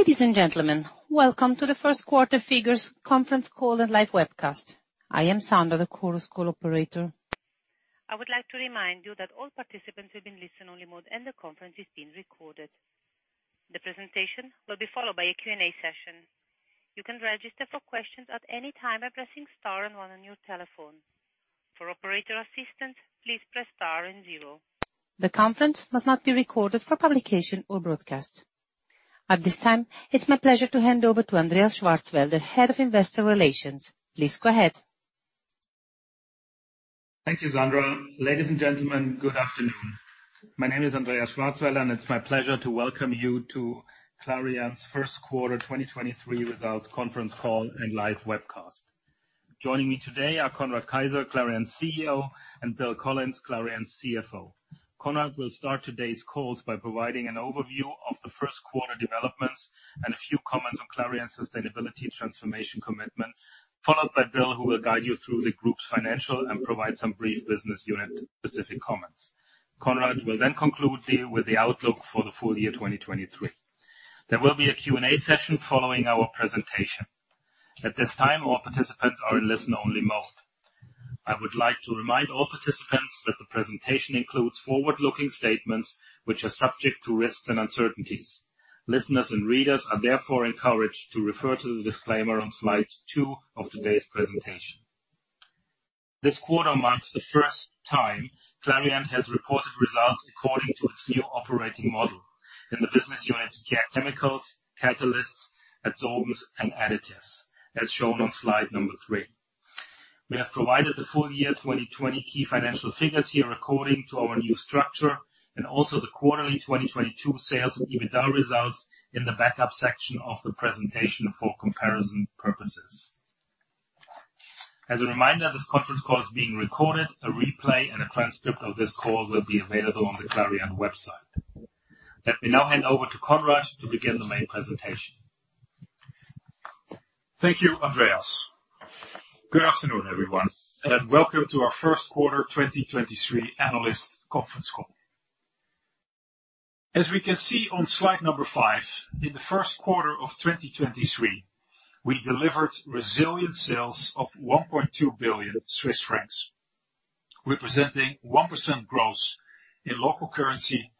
Ladies and gentlemen, welcome to the first quarter figures conference call and live webcast. I am Sandra, the Chorus Call operator. I would like to remind you that all participants will be in listen only mode and the conference is being recorded. The presentation will be followed by a Q&A session. You can register for questions at any time by pressing star and one on your telephone. For operator assistance, please press star and zero. The conference must not be recorded for publication or broadcast. At this time, it's my pleasure to hand over to Andreas Schwarzwälder, Head of Investor Relations. Please go ahead. Thank you, Sandra. Ladies and gentlemen, good afternoon. My name is Andreas Schwarzwälder. It's my pleasure to welcome you to Clariant's first quarter 2023 results conference call and live webcast. Joining me today are Conrad Keijzer, Clariant's CEO, and Bill, Clariant's CFO. Conrad will start today's call by providing an overview of the first quarter developments and a few comments on Clariant sustainability transformation commitment, followed by Bill, who will guide you through the group's financial and provide some brief business unit-specific comments. Conrad will conclude with the outlook for the full year 2023. There will be a Q&A session following our presentation. At this time, all participants are in listen only mode. I would like to remind all participants that the presentation includes forward-looking statements, which are subject to risks and uncertainties. Listeners and readers are therefore encouraged to refer to the disclaimer on slide two of today's presentation. This quarter marks the first time Clariant has reported results according to its new operating model in the business units Care Chemicals, Catalysts, Adsorbents & Additives, as shown on slide number three. We have provided the full year 2020 key financial figures here according to our new structure and also the quarterly 2022 sales and EBITDA results in the backup section of the presentation for comparison purposes. As a reminder, this conference call is being recorded. A replay and a transcript of this call will be available on the Clariant website. Let me now hand over to Conrad to begin the main presentation. Thank you, Andreas. Good afternoon, everyone, and welcome to our first quarter 2023 analyst conference call. As we can see on slide five, in the first quarter of 2023, we delivered resilient sales of 1.2 billion Swiss francs, representing 1% growth in local currency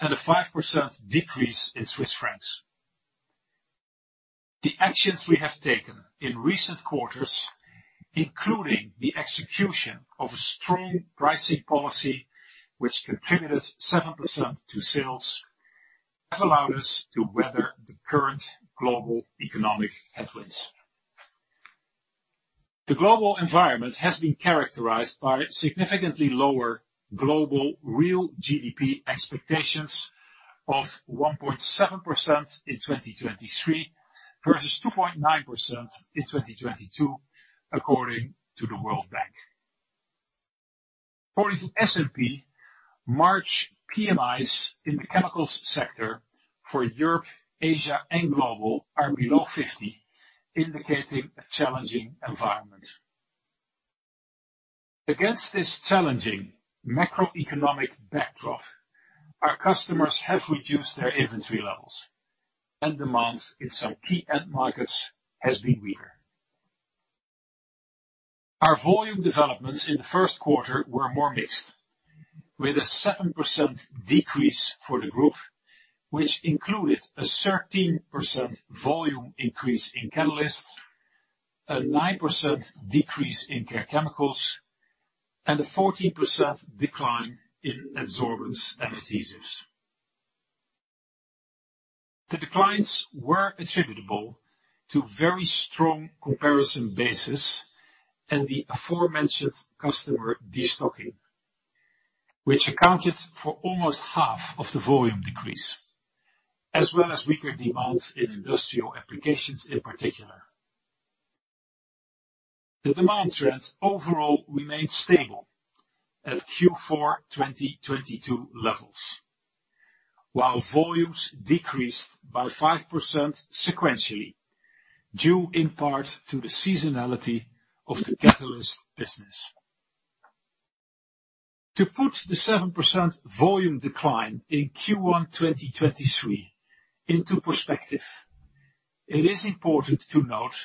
and a 5% decrease in Swiss francs. The actions we have taken in recent quarters, including the execution of a strong pricing policy which contributed 7% to sales, have allowed us to weather the current global economic headwinds. The global environment has been characterized by significantly lower global real GDP expectations of 1.7% in 2023 versus 2.9% in 2022, according to the World Bank. According to S&P, March PMIs in the chemicals sector for Europe, Asia and global are below 50, indicating a challenging environment. Against this challenging macroeconomic backdrop, our customers have reduced their inventory levels and demand in some key end markets has been weaker. Our volume developments in the first quarter were more mixed, with a 7% decrease for the group, which included a 13% volume increase in Catalysts, a 9% decrease in Care Chemicals, and a 14% decline in Adsorbents & Additives. The declines were attributable to very strong comparison basis and the aforementioned customer destocking, which accounted for almost half of the volume decrease, as well as weaker demand in industrial applications in particular. The demand trends overall remained stable at Q4 2022 levels, while volumes decreased by 5% sequentially, due in part to the seasonality of the Catalysts business. To put the 7% volume decline in Q1 2023 into perspective, it is important to note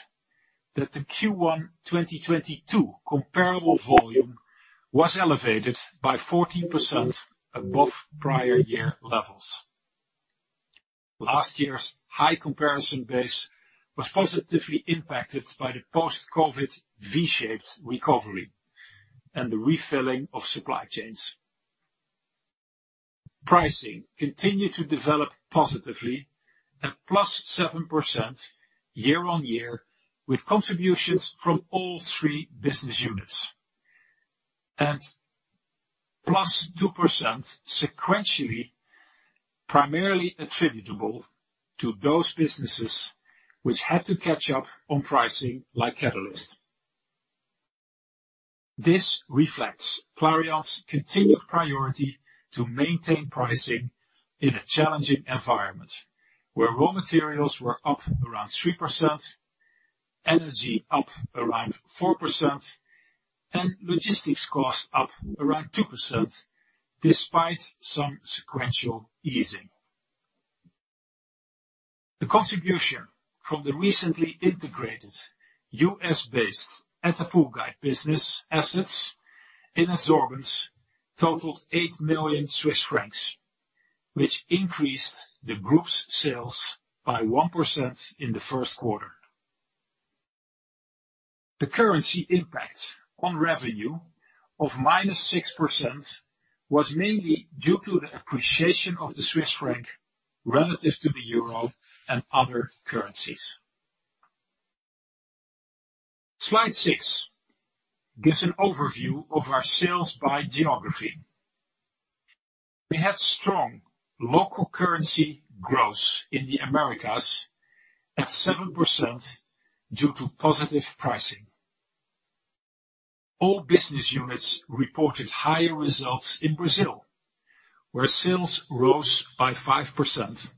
that the Q1 2022 comparable volume was elevated by 14% above prior year levels. Last year's high comparison base was positively impacted by the post-COVID V-shaped recovery and the refilling of supply chains. Pricing continued to develop positively at +7% YoY, with contributions from all three business units. Plus 2% sequentially, primarily attributable to those businesses which had to catch up on pricing, like Catalysts. This reflects Clariant's continued priority to maintain pricing in a challenging environment where raw materials were up around 3%, energy up around 4%, and logistics costs up around 2% despite some sequential easing. The contribution from the recently integrated U.S.-based attapulgite business assets in Adsorbents totaled 8 million Swiss francs, which increased the group's sales by 1% in the first quarter. The currency impact on revenue of -6% was mainly due to the appreciation of the Swiss franc relative to the euro and other currencies. Slide six gives an overview of our sales by geography. We had strong local currency growth in the Americas at 7% due to positive pricing. All business units reported higher results in Brazil, where sales rose by 5%.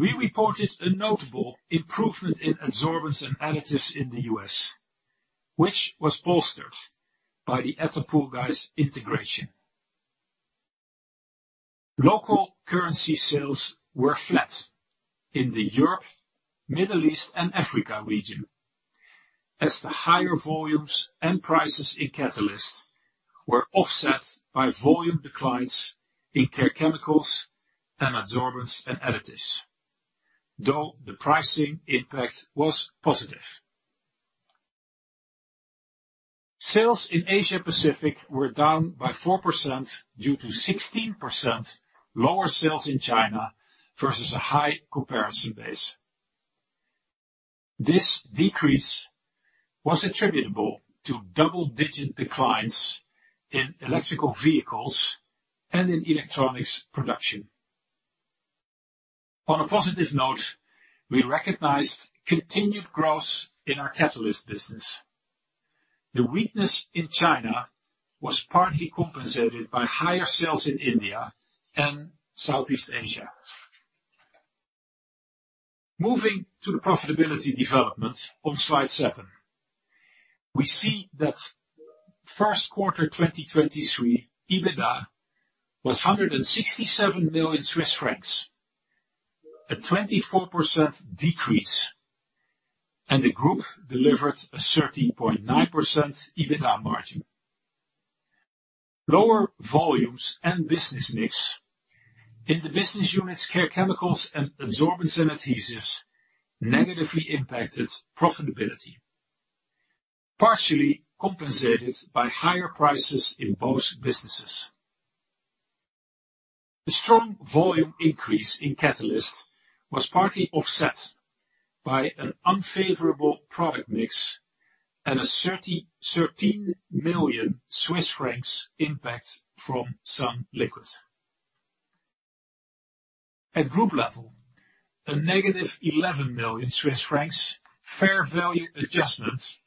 We reported a notable improvement in Adsorbents & Additives in the U.S., which was bolstered by the attapulgite integration. Local currency sales were flat in the Europe, Middle East, and Africa region as the higher volumes and prices in Catalysts were offset by volume declines in Care Chemicals and Adsorbents & Additives, though the pricing impact was positive. Sales in Asia-Pacific were down by 4% due to 16% lower sales in China versus a high comparison base. This decrease was attributable to double-digit declines in electrical vehicles and in electronics production. On a positive note, we recognized continued growth in our Catalysts business. The weakness in China was partly compensated by higher sales in India and Southeast Asia. Moving to the profitability development on slide seven, we see that first quarter 2023, EBITDA was 167 million Swiss francs, a 24% decrease, and the group delivered a 13.9% EBITDA margin. Lower volumes and business mix in the business units Care Chemicals and Adsorbents & Additives negatively impacted profitability, partially compensated by higher prices in both businesses. The strong volume increase in Catalysts was partly offset by an unfavorable product mix and a 13 million Swiss francs impact from sunliquid. At group level, a -11 million Swiss francs fair value adjustment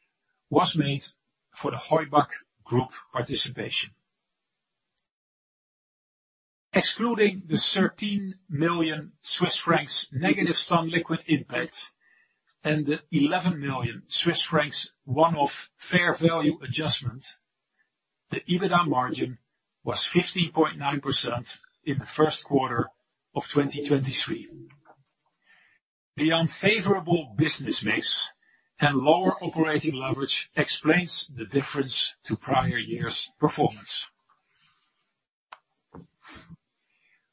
was made for the Heubach Group participation. Excluding the 13 million Swiss francs negative sunliquid impact and the 11 million Swiss francs one-off fair value adjustment, the EBITDA margin was 15.9% in the first quarter of 2023. The unfavorable business mix and lower operating leverage explains the difference to prior year's performance.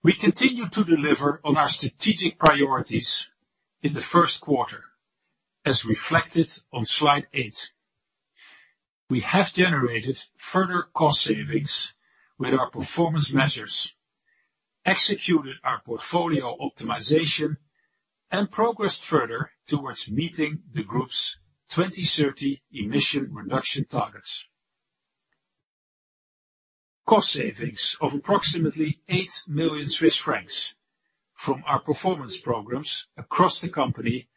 We continued to deliver on our strategic priorities in the first quarter, as reflected on slide eight. We have generated further cost savings with our performance measures, executed our portfolio optimization, and progressed further towards meeting the group's 2030 emission reduction targets. Cost savings of approximately 8 million Swiss francs from our performance programs across the company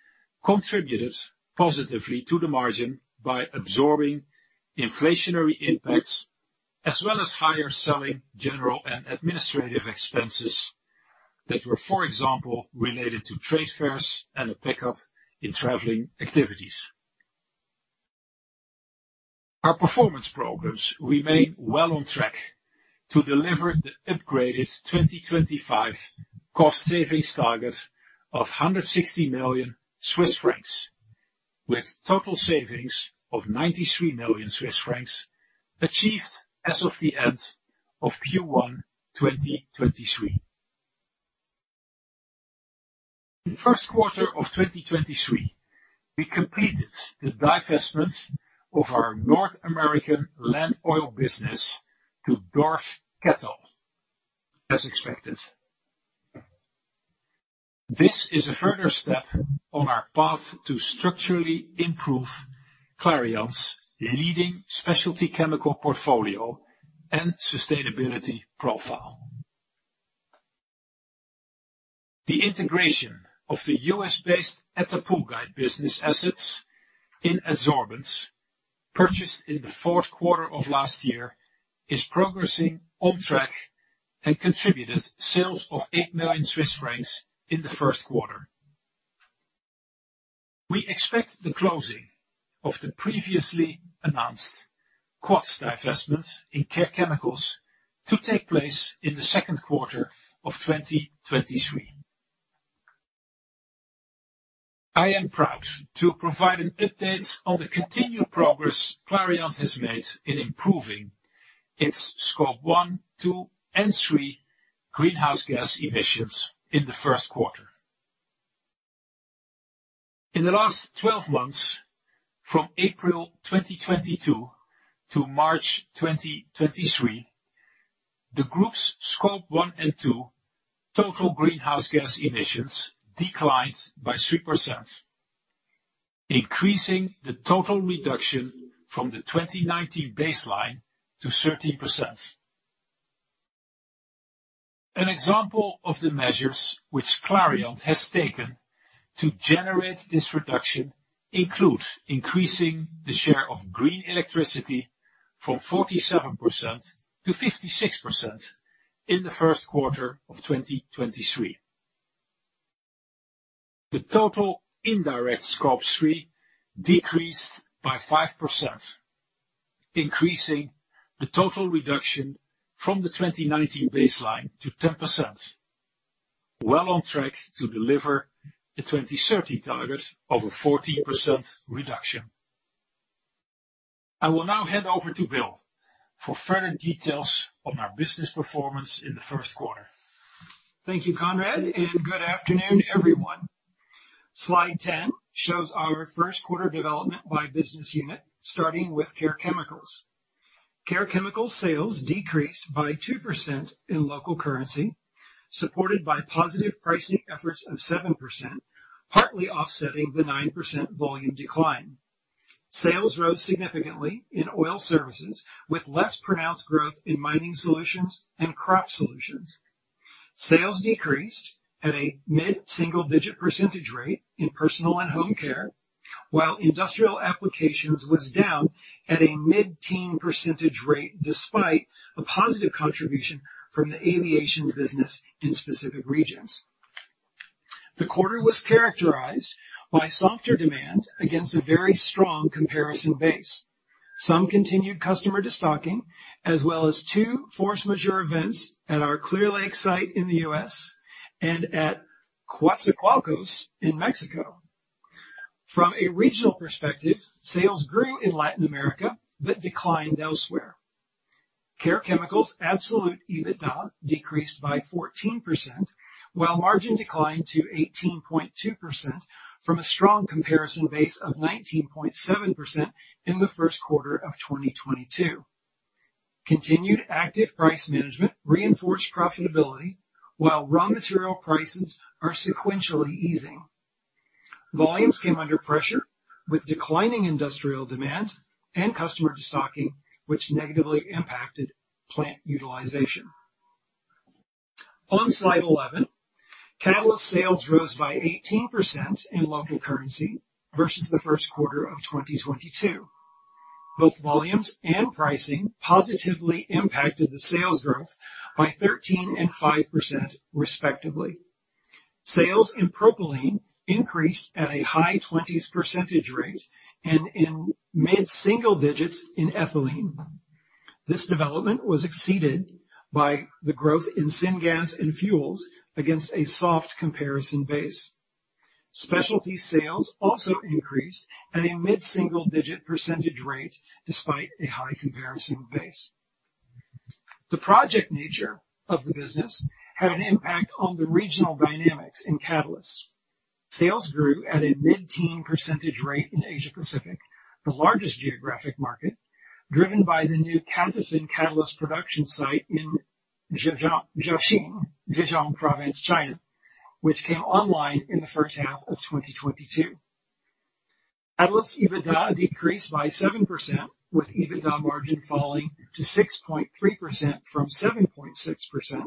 contributed positively to the margin by absorbing inflationary impacts, as well as higher selling, general, and administrative expenses that were, for example, related to trade fairs and a pickup in traveling activities. Our performance programs remain well on track to deliver the upgraded 2025 cost savings target of 160 million Swiss francs, with total savings of 93 million Swiss francs achieved as of the end of Q1 2023. In first quarter of 2023, we completed the divestment of our North American Land Oil business to Dorf Ketal, as expected. This is a further step on our path to structurally improve Clariant's leading specialty chemical portfolio and sustainability profile. The integration of the US-based attapulgite business assets in Adsorbents, purchased in the fourth quarter of last year, is progressing on track and contributed sales of 8 million Swiss francs in the first quarter. We expect the closing of the previously announced Quats divestment in Care Chemicals to take place in the second quarter of 2023. I am proud to provide an update on the continued progress Clariant has made in improving its Scope one, two, and three greenhouse gas emissions in the first quarter. In the last 12 months, from April 2022-March 2023, the group's Scope one and two total greenhouse gas emissions declined by 3%, increasing the total reduction from the 2019 baseline to 13%. An example of the measures which Clariant has taken to generate this reduction includes increasing the share of green electricity from 47%-56% in the first quarter of 2023. The total indirect Scope three decreased by 5%, increasing the total reduction from the 2019 baseline to 10%. Well on track to deliver the 2030 target of a 14% reduction. I will now hand over to Bill for further details on our business performance in the first quarter. Thank you, Conrad. Good afternoon, everyone. Slide 10 shows our first quarter development by business unit, starting with Care Chemicals. Care Chemicals sales decreased by 2% in local currency, supported by positive pricing efforts of 7%, partly offsetting the 9% volume decline. Sales rose significantly in oil services, with less pronounced growth in mining solutions and crop solutions. Sales decreased at a mid-single-digit percentage rate in personal and home care, while industrial applications was down at a mid-teen percentage rate despite a positive contribution from the aviation business in specific regions. The quarter was characterized by softer demand against a very strong comparison base. Some continued customer destocking, as well as two force majeure events at our Clear Lake site in the U.S. and at Coatzacoalcos in Mexico. From a regional perspective, sales grew in Latin America but declined elsewhere. Care Chemicals absolute EBITDA decreased by 14%, while margin declined to 18.2% from a strong comparison base of 19.7% in the first quarter of 2022. Continued active price management reinforced profitability, while raw material prices are sequentially easing. Volumes came under pressure with declining industrial demand and customer destocking, which negatively impacted plant utilization. On slide 11, catalyst sales rose by 18% in local currency versus the first quarter of 2022. Both volumes and pricing positively impacted the sales growth by 13% and 5%, respectively. Sales in propylene increased at a high 20s percentage rate and in mid-single digits in ethylene. This development was exceeded by the growth in syngas and fuels against a soft comparison base. Specialty sales also increased at a mid-single-digit percentage rate despite a high comparison base. The project nature of the business had an impact on the regional dynamics in catalysts. Sales grew at a mid-teen percentage rate in Asia-Pacific, the largest geographic market, driven by the new CATOFIN catalyst production site in Jiaxing, Zhejiang Province, China, which came online in the first half of 2022. Catalyst EBITDA decreased by 7%, with EBITDA margin falling to 6.3% from 7.6%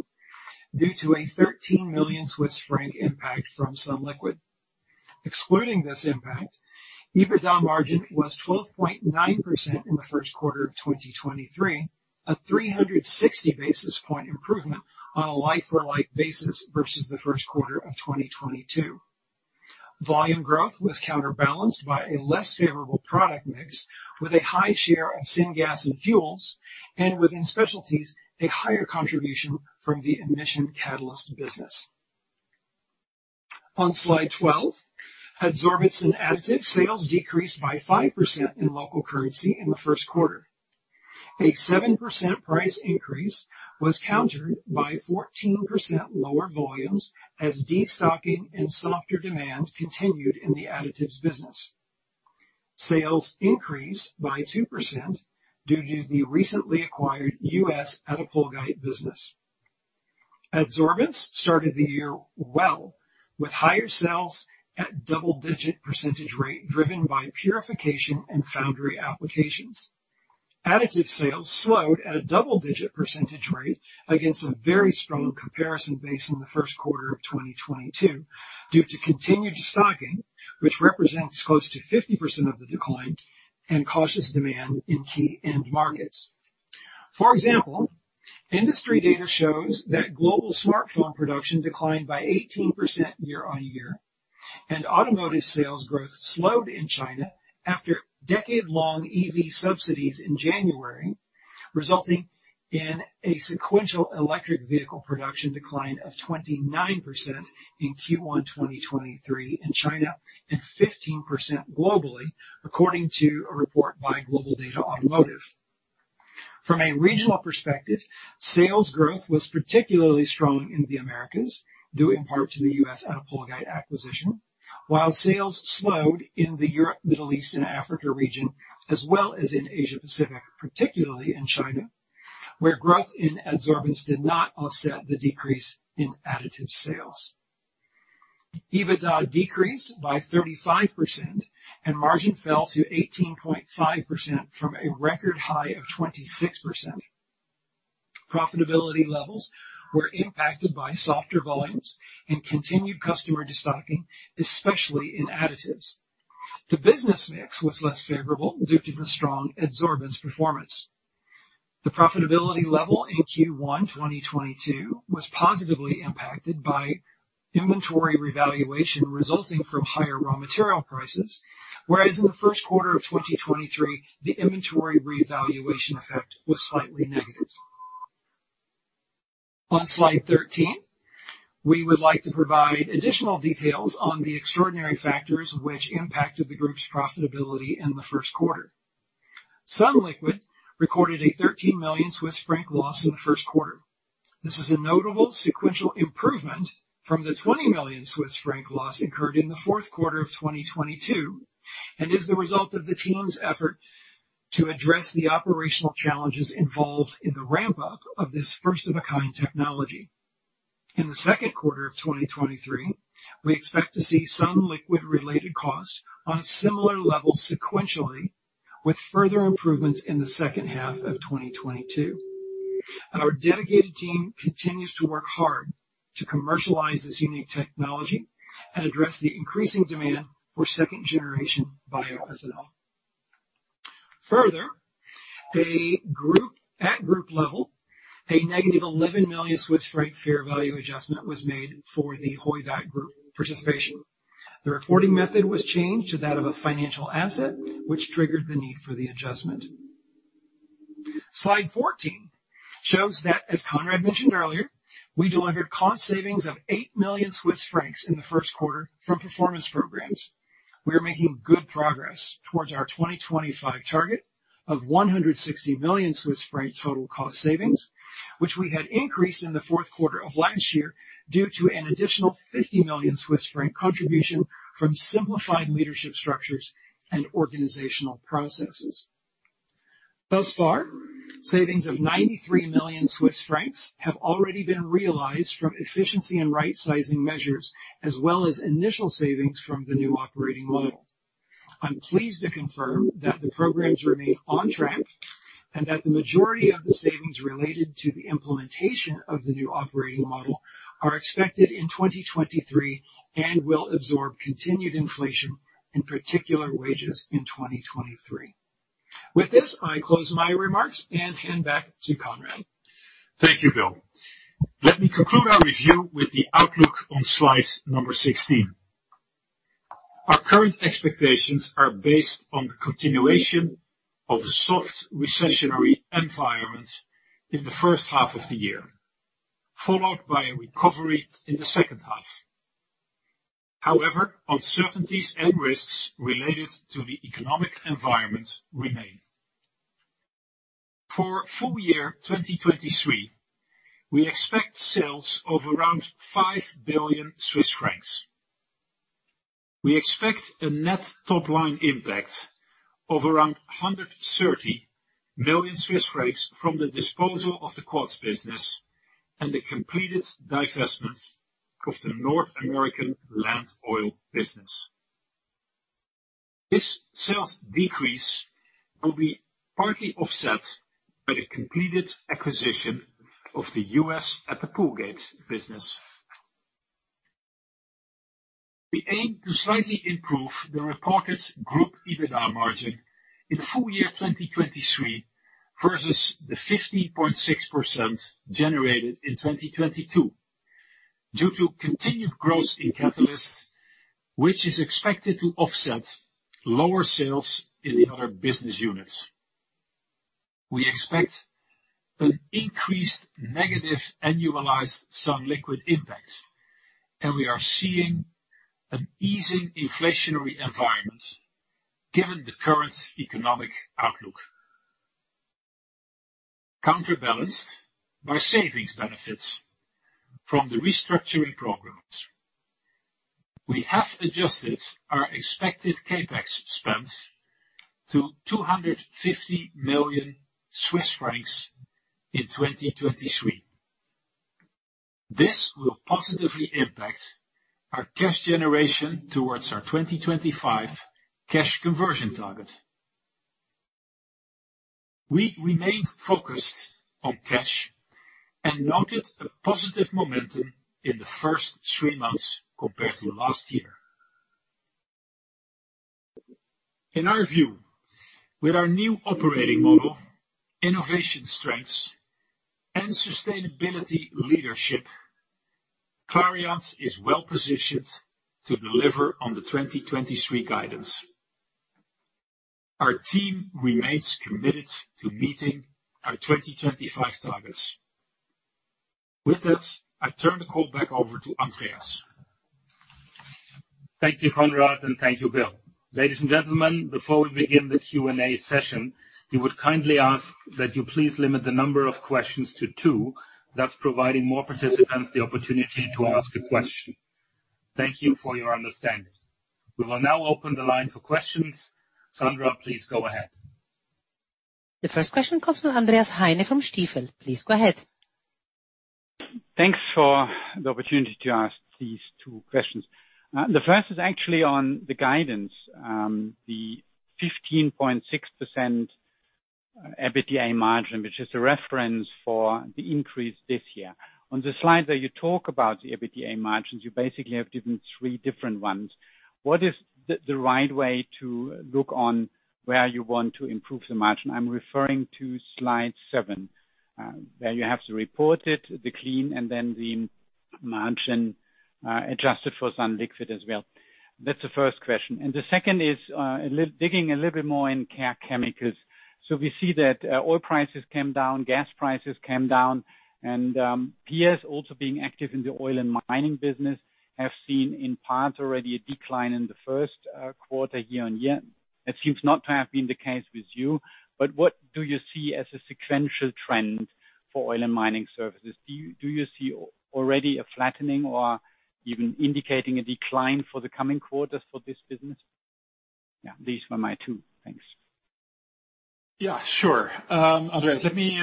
due to a 13 million Swiss franc impact from sunliquid. Excluding this impact, EBITDA margin was 12.9% in the first quarter of 2023, a 360 basis point improvement on a like-for-like basis versus the first quarter of 2022. Volume growth was counterbalanced by a less favorable product mix with a high share of syngas and fuels, and within specialties, a higher contribution from the emission catalyst business. On slide 12, Adsorbents & Additives sales decreased by 5% in local currency in the first quarter. A 7% price increase was countered by 14% lower volumes as destocking and softer demand continued in the additives business. Sales increased by 2% due to the recently acquired U.S. Attapulgite business. Adsorbents started the year well, with higher sales at double-digit percentage rate driven by purification and foundry applications. Additive sales slowed at a double-digit percentage rate against a very strong comparison base in the first quarter of 2022 due to continued stocking, which represents close to 50% of the decline and cautious demand in key end markets. For example, industry data shows that global smartphone production declined by 18% YoY, and automotive sales growth slowed in China after decade-long EV subsidies in January, resulting in a sequential electric vehicle production decline of 29% in Q1 2023 in China and 15% globally, according to a report by GlobalData Automotive. From a regional perspective, sales growth was particularly strong in the Americas, due in part to the U.S. Attapulgite acquisition. While sales slowed in the Europe, Middle East, and Africa region, as well as in Asia-Pacific, particularly in China, where growth in adsorbents did not offset the decrease in additive sales. EBITDA decreased by 35% and margin fell to 18.5% from a record high of 26%. Profitability levels were impacted by softer volumes and continued customer destocking, especially in additives. The business mix was less favorable due to the strong adsorbents performance. The profitability level in Q1 2022 was positively impacted by inventory revaluation resulting from higher raw material prices, whereas in the first quarter of 2023, the inventory revaluation effect was slightly negative. On slide 13, we would like to provide additional details on the extraordinary factors which impacted the group's profitability in the first quarter. sunliquid recorded a 13 million Swiss franc loss in the first quarter. This is a notable sequential improvement from the 20 million Swiss franc loss incurred in the fourth quarter of 2022, and is the result of the team's effort to address the operational challenges involved in the ramp-up of this first of a kind technology. In the second quarter of 2023, we expect to see sunliquid related costs on similar levels sequentially, with further improvements in the second half of 2022. Our dedicated team continues to work hard to commercialize this unique technology and address the increasing demand for second generation bioethanol. At group level, a negative 11 million Swiss franc fair value adjustment was made for the Heubach Group participation. The reporting method was changed to that of a financial asset which triggered the need for the adjustment. Slide 14 shows that, as Conrad mentioned earlier, we delivered cost savings of 8 million Swiss francs in the first quarter from performance programs. We are making good progress towards our 2025 target of 160 million Swiss franc total cost savings, which we had increased in the fourth quarter of last year due to an additional 50 million Swiss franc contribution from simplified leadership structures and organizational processes. Thus far, savings of 93 million Swiss francs have already been realized from efficiency and right sizing measures, as well as initial savings from the new operating model. I'm pleased to confirm that the programs remain on track and that the majority of the savings related to the implementation of the new operating model are expected in 2023 and will absorb continued inflation, in particular wages, in 2023. With this, I close my remarks and hand back to Conrad. Thank you, Bill. Let me conclude our review with the outlook on slide number 16. Our current expectations are based on the continuation of a soft recessionary environment in the first half of the year, followed by a recovery in the second half. However, uncertainties and risks related to the economic environment remain. For full year 2023, we expect sales of around 5 billion Swiss francs. We expect a net top line impact of around 130 million Swiss francs from the disposal of the Quats business and the completed divestment of the North American Land Oil business. This sales decrease will be partly offset by the completed acquisition of the U.S. Attapulgite business. We aim to slightly improve the reported group EBITDA margin in full year 2023 versus the 15.6% generated in 2022 due to continued growth in Catalysts, which is expected to offset lower sales in the other business units. We expect an increased negative annualized sunliquid impact. We are seeing an easing inflationary environment given the current economic outlook, counterbalanced by savings benefits from the restructuring programs. We have adjusted our expected CapEx spend to CHF 250 million in 2023. This will positively impact our cash generation towards our 2025 cash conversion target. We remain focused on cash and noted a positive momentum in the first three months compared to last year. In our view, with our new operating model, innovation strengths and sustainability leadership, Clariant is well-positioned to deliver on the 2023 guidance. Our team remains committed to meeting our 2025 targets. With that, I turn the call back over to Andreas. Thank you, Conrad, and thank you, Bill. Ladies and gentlemen, before we begin the Q&A session, we would kindly ask that you please limit the number of questions to two, thus providing more participants the opportunity to ask a question. Thank you for your understanding. We will now open the line for questions. Sandra, please go ahead. The first question comes from Andreas Heine from Stifel. Please go ahead. Thanks for the opportunity to ask these two questions. The first is actually on the guidance, the 15.6% EBITDA margin, which is a reference for the increase this year. On the slides that you talk about the EBITDA margins, you basically have given three different ones. What is the right way to look on where you want to improve the margin? I'm referring to slide 7, where you have the reported, the clean, and then the margin adjusted for sunliquid as well. That's the first question. The second is digging a little bit more in Care Chemicals. We see that oil prices came down, gas prices came down, and peers also being active in the oil and mining business have seen in part already a decline in the first quarter YoY. That seems not to have been the case with you, but what do you see as a sequential trend for Oil and Mining Services? Do you already a flattening or even indicating a decline for the coming quarters for this business? Yeah, these were my two. Thanks. Yeah, sure. Andreas, let me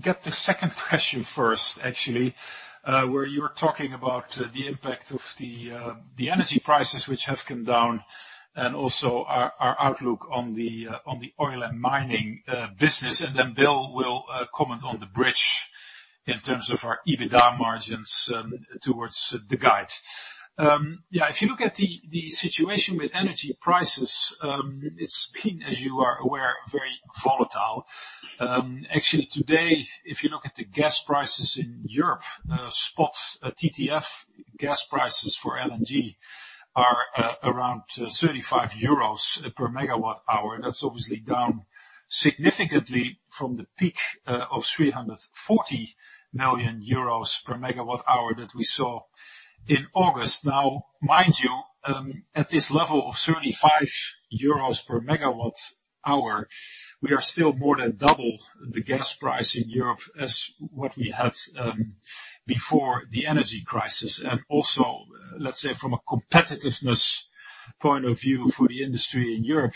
get the second question first, actually, where you were talking about the impact of the energy prices which have come down and also our outlook on the oil and mining business. Then Bill will comment on the bridge in terms of our EBITDA margins towards the guide. Yeah, if you look at the situation with energy prices, it's been, as you are aware, very volatile. Actually today, if you look at the gas prices in Europe, spots TTF gas prices for LNG are around 35 euros per megawatt hour. That's obviously down significantly from the peak of 340 million euros per megawatt hour that we saw in August. Mind you, at this level of 35 euros per megawatt hour, we are still more than double the gas price in Europe as what we had before the energy crisis. Also, let's say from a competitiveness point of view for the industry in Europe,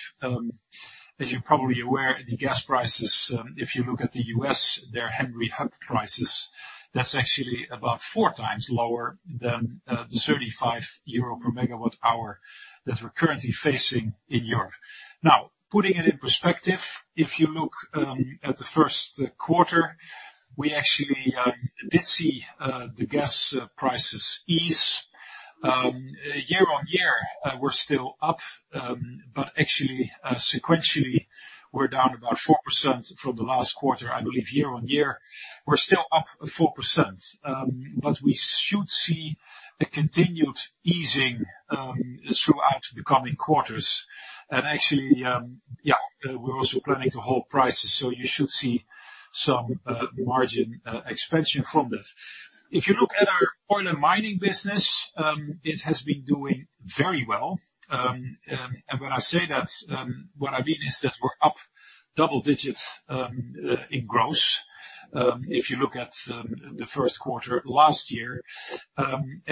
as you're probably aware, the gas prices, if you look at the U.S., their Henry Hub prices, that's actually about four times lower than the 35 euro per megawatt hour that we're currently facing in Europe. Putting it in perspective, if you look at the first quarter, we actually did see the gas prices ease. YoY, we're still up, but actually, sequentially we're down about 4% from the last quarter. I believe YoY we're still up 4%. We should see a continued easing throughout the coming quarters. Actually, yeah, we're also planning to hold prices, so you should see some margin expansion from that. If you look at our oil and mining business, it has been doing very well. When I say that, what I mean is that we're up double digits in gross, if you look at the first quarter last year.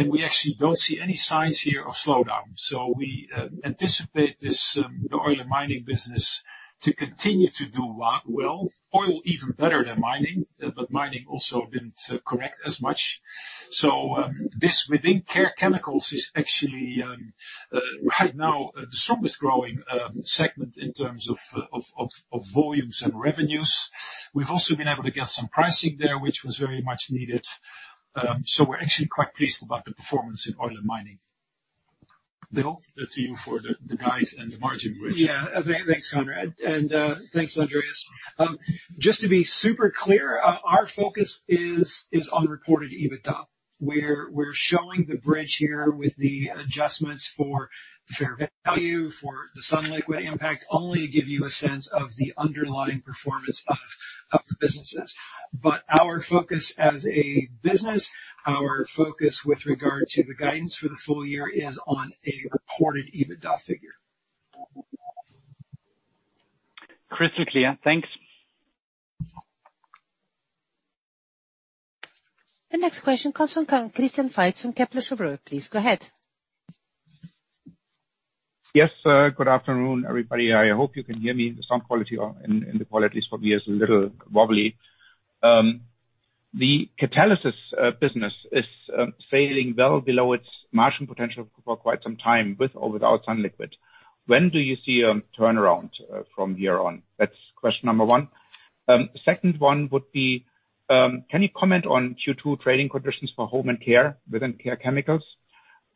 We actually don't see any signs here of slowdown. We anticipate this oil and mining business to continue to do well, oil even better than mining, but mining also didn't correct as much. This within Care Chemicals is actually right now the strongest growing segment in terms of volumes and revenues. We've also been able to get some pricing there, which was very much needed. We're actually quite pleased about the performance in Oil and Mining. Bill, to you for the guide and the margin bridge. Thanks, Conrad, and thanks, Andreas. Just to be super clear, our focus is on reported EBITDA, where we're showing the bridge here with the adjustments for fair value, for the sunliquid impact, only to give you a sense of the underlying performance of the businesses. Our focus as a business, our focus with regard to the guidance for the full year is on a reported EBITDA figure. Crystal clear. Thanks. The next question comes from Christian Faitz from Kepler Cheuvreux. Please go ahead. Yes, sir. Good afternoon, everybody. I hope you can hear me. The sound quality on, in the call at least for me is a little wobbly. The catalysis business is sailing well below its margin potential for quite some time, with or without sunliquid. When do you see a turnaround from here on? That's question number one. Second one would be, can you comment on Q2 trading conditions for home and care within Care Chemicals?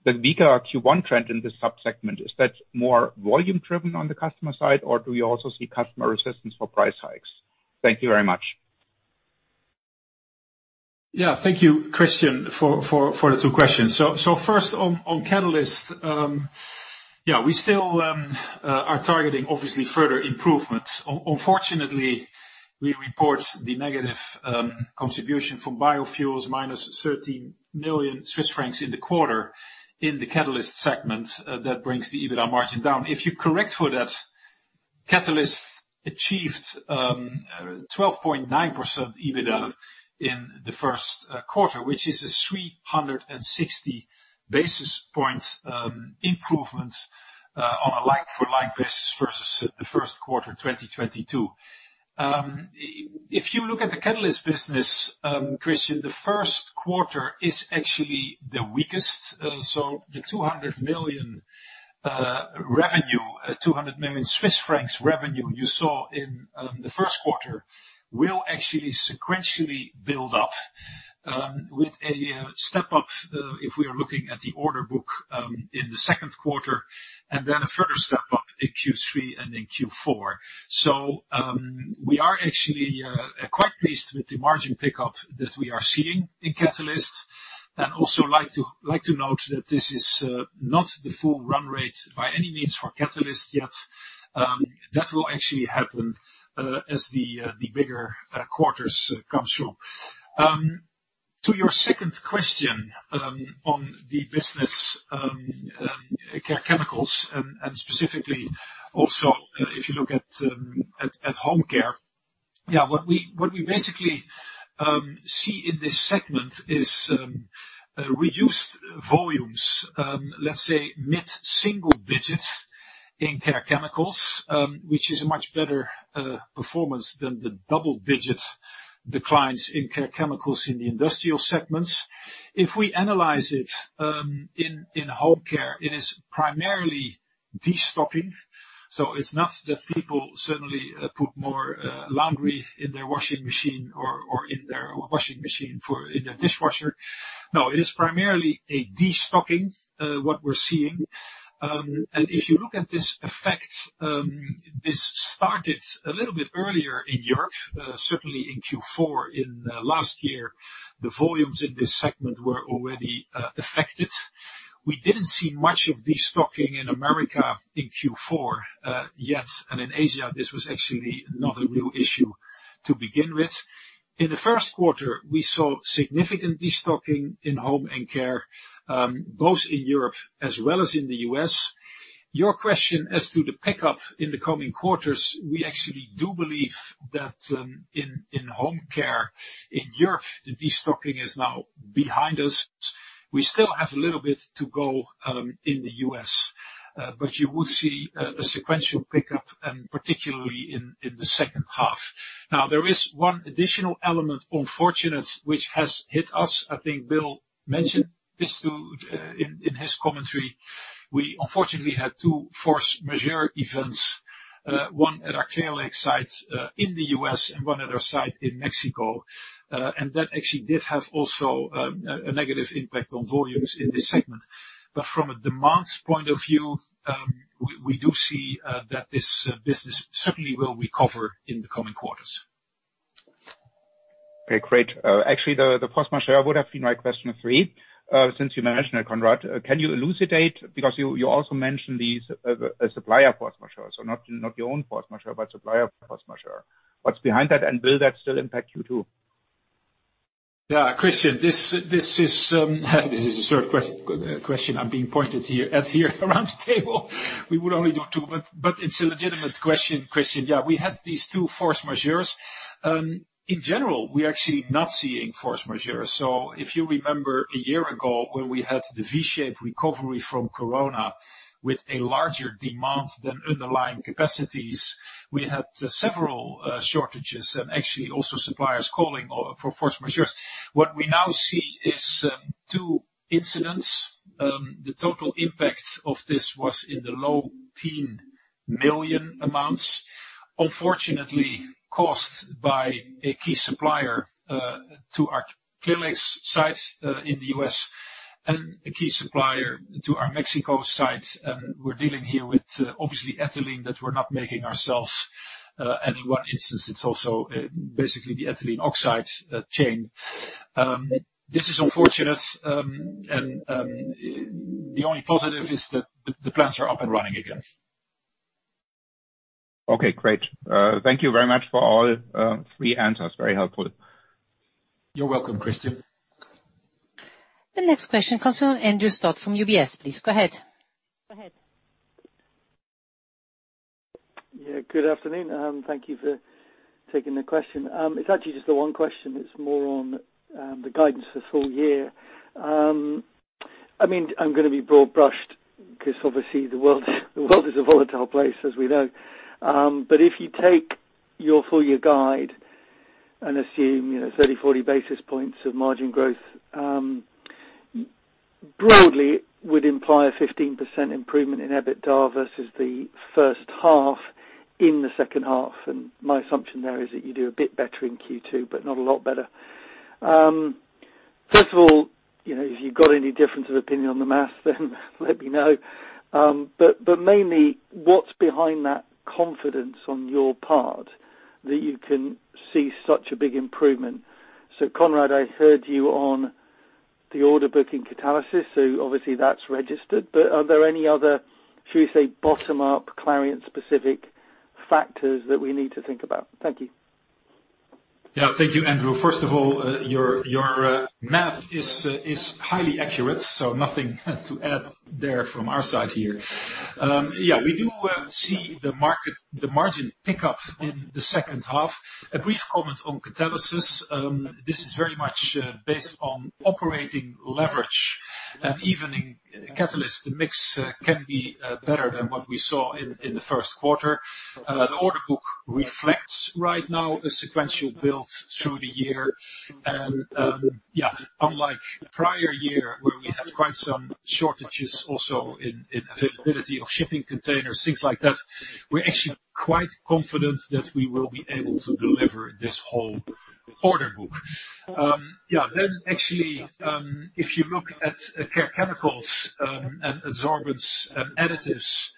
The weaker Q1 trend in this sub-segment, is that more volume driven on the customer side, or do you also see customer resistance for price hikes? Thank you very much. Yeah. Thank you, Christian, for the two questions. First on Catalyst, we still are targeting obviously further improvements. Unfortunately, we report the negative contribution from biofuels minus 13 million Swiss francs in the quarter in the Catalyst segment. That brings the EBITDA margin down. If you correct for that, Catalyst achieved 12.9% EBITDA in the first quarter, which is a 360 basis point improvement on a like for like basis versus the first quarter of 2022. If you look at the Catalyst business, Christian, the first quarter is actually the weakest. The 200 million revenue 200 million Swiss francs revenue you saw in the first quarter will actually sequentially build up with a step up if we are looking at the order book in the second quarter, and then a further step up in Q3 and in Q4. We are actually quite pleased with the margin pickup that we are seeing in Catalysts. I'd also like to note that this is not the full run rate by any means for Catalysts yet. That will actually happen as the bigger quarters come through. To your second question, on the business, Care Chemicals and specifically also if you look at home care, what we basically see in this segment is reduced volumes, let's say mid-single-digit in Care Chemicals, which is a much better performance than the double-digit declines in Care Chemicals in the industrial segments. If we analyze it in home care, it is primarily destocking. It's not that people suddenly put more laundry in their washing machine or in their dishwasher. It is primarily a destocking what we're seeing. If you look at this effect, this started a little bit earlier in Europe, certainly in Q4 last year. The volumes in this segment were already affected. We didn't see much of destocking in America in Q4 yet, and in Asia, this was actually not a real issue to begin with. In the first quarter, we saw significant destocking in home and care, both in Europe as well as in the U.S. Your question as to the pickup in the coming quarters, we actually do believe that in home care in Europe, the destocking is now behind us. We still have a little bit to go in the U.S. You would see a sequential pickup, particularly in the second half. Now, there is one additional element, unfortunate, which has hit us. I think Bill mentioned this too, in his commentary. We unfortunately had two force majeure events, one at our Clear Lake site, in the U.S. and one at our site in Mexico. That actually did have also, a negative impact on volumes in this segment. From a demand point of view, we do see, that this business certainly will recover in the coming quarters. Okay, great. actually, the force majeure would have been my question three. since you mentioned it, Conrad. Can you elucidate? You also mentioned these, supplier force majeure, so not your own force majeure, but supplier force majeure. What's behind that, and will that still impact you too? Yeah. Christian, this is this is the third question I'm being pointed here, at here around the table. We would only do two, but it's a legitimate question, Christian. Yeah. We had these two force majeures. In general, we're actually not seeing force majeures. If you remember a year ago when we had the V-shaped recovery from Corona with a larger demand than underlying capacities, we had several shortages and actually also suppliers calling for force majeures. What we now see is two incidents. The total impact of this was in the $low teen million amounts. Unfortunately, caused by a key supplier to our Clear Lake site in the U.S. and a key supplier to our Mexico site. We're dealing here with obviously ethylene that we're not making ourselves. In one instance, it's also, basically the ethylene oxide, chain. This is unfortunate. The only positive is that the plants are up and running again. Okay, great. Thank you very much for all, three answers. Very helpful. You're welcome, Christian. The next question comes from Andrew Stott from UBS. Please go ahead. Yeah, good afternoon. Thank you for taking the question. It's actually just the one question. It's more on the guidance for the full year. I mean, I'm gonna be broad-brushed because obviously the world, the world is a volatile place, as we know. If you take your full year guide and assume, you know, 30, 40 basis points of margin growth, broadly it would imply a 15% improvement in EBITDA versus the first half in the second half. My assumption there is that you do a bit better in Q2, but not a lot better. First of all, you know, if you've got any difference of opinion on the math, then let me know. Mainly what's behind that confidence on your part that you can see such a big improvement? Conrad, I heard you on the order book in Catalysts, so obviously that's registered. Are there any other, should we say, bottom-up Clariant specific factors that we need to think about? Thank you. Thank you, Andrew. First of all, your math is highly accurate, so nothing to add there from our side here. We do see the margin pick up in the second half. A brief comment on catalysis. This is very much based on operating leverage. Even in catalyst, the mix can be better than what we saw in the first quarter. The order book reflects right now a sequential build through the year. Unlike prior year where we had quite some shortages also in availability of shipping containers, things like that, we're actually quite confident that we will be able to deliver this whole order book. Actually, if you look at Care Chemicals, and Adsorbents & Additives,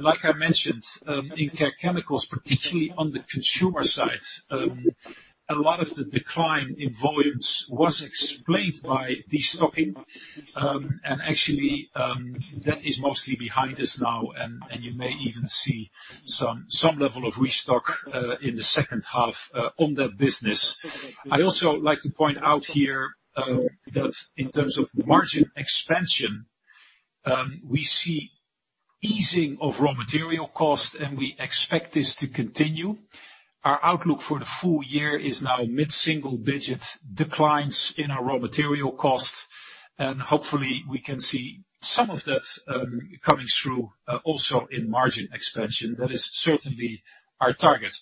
like I mentioned, in Care Chemicals, particularly on the consumer side, a lot of the decline in volumes was explained by destocking. Actually, that is mostly behind us now, and you may even see some level of restock in the second half on that business. I'd also like to point out here that in terms of margin expansion, we see easing of raw material costs, and we expect this to continue. Our outlook for the full year is now mid-single-digit declines in our raw material costs, and hopefully we can see some of that coming through also in margin expansion. That is certainly our target.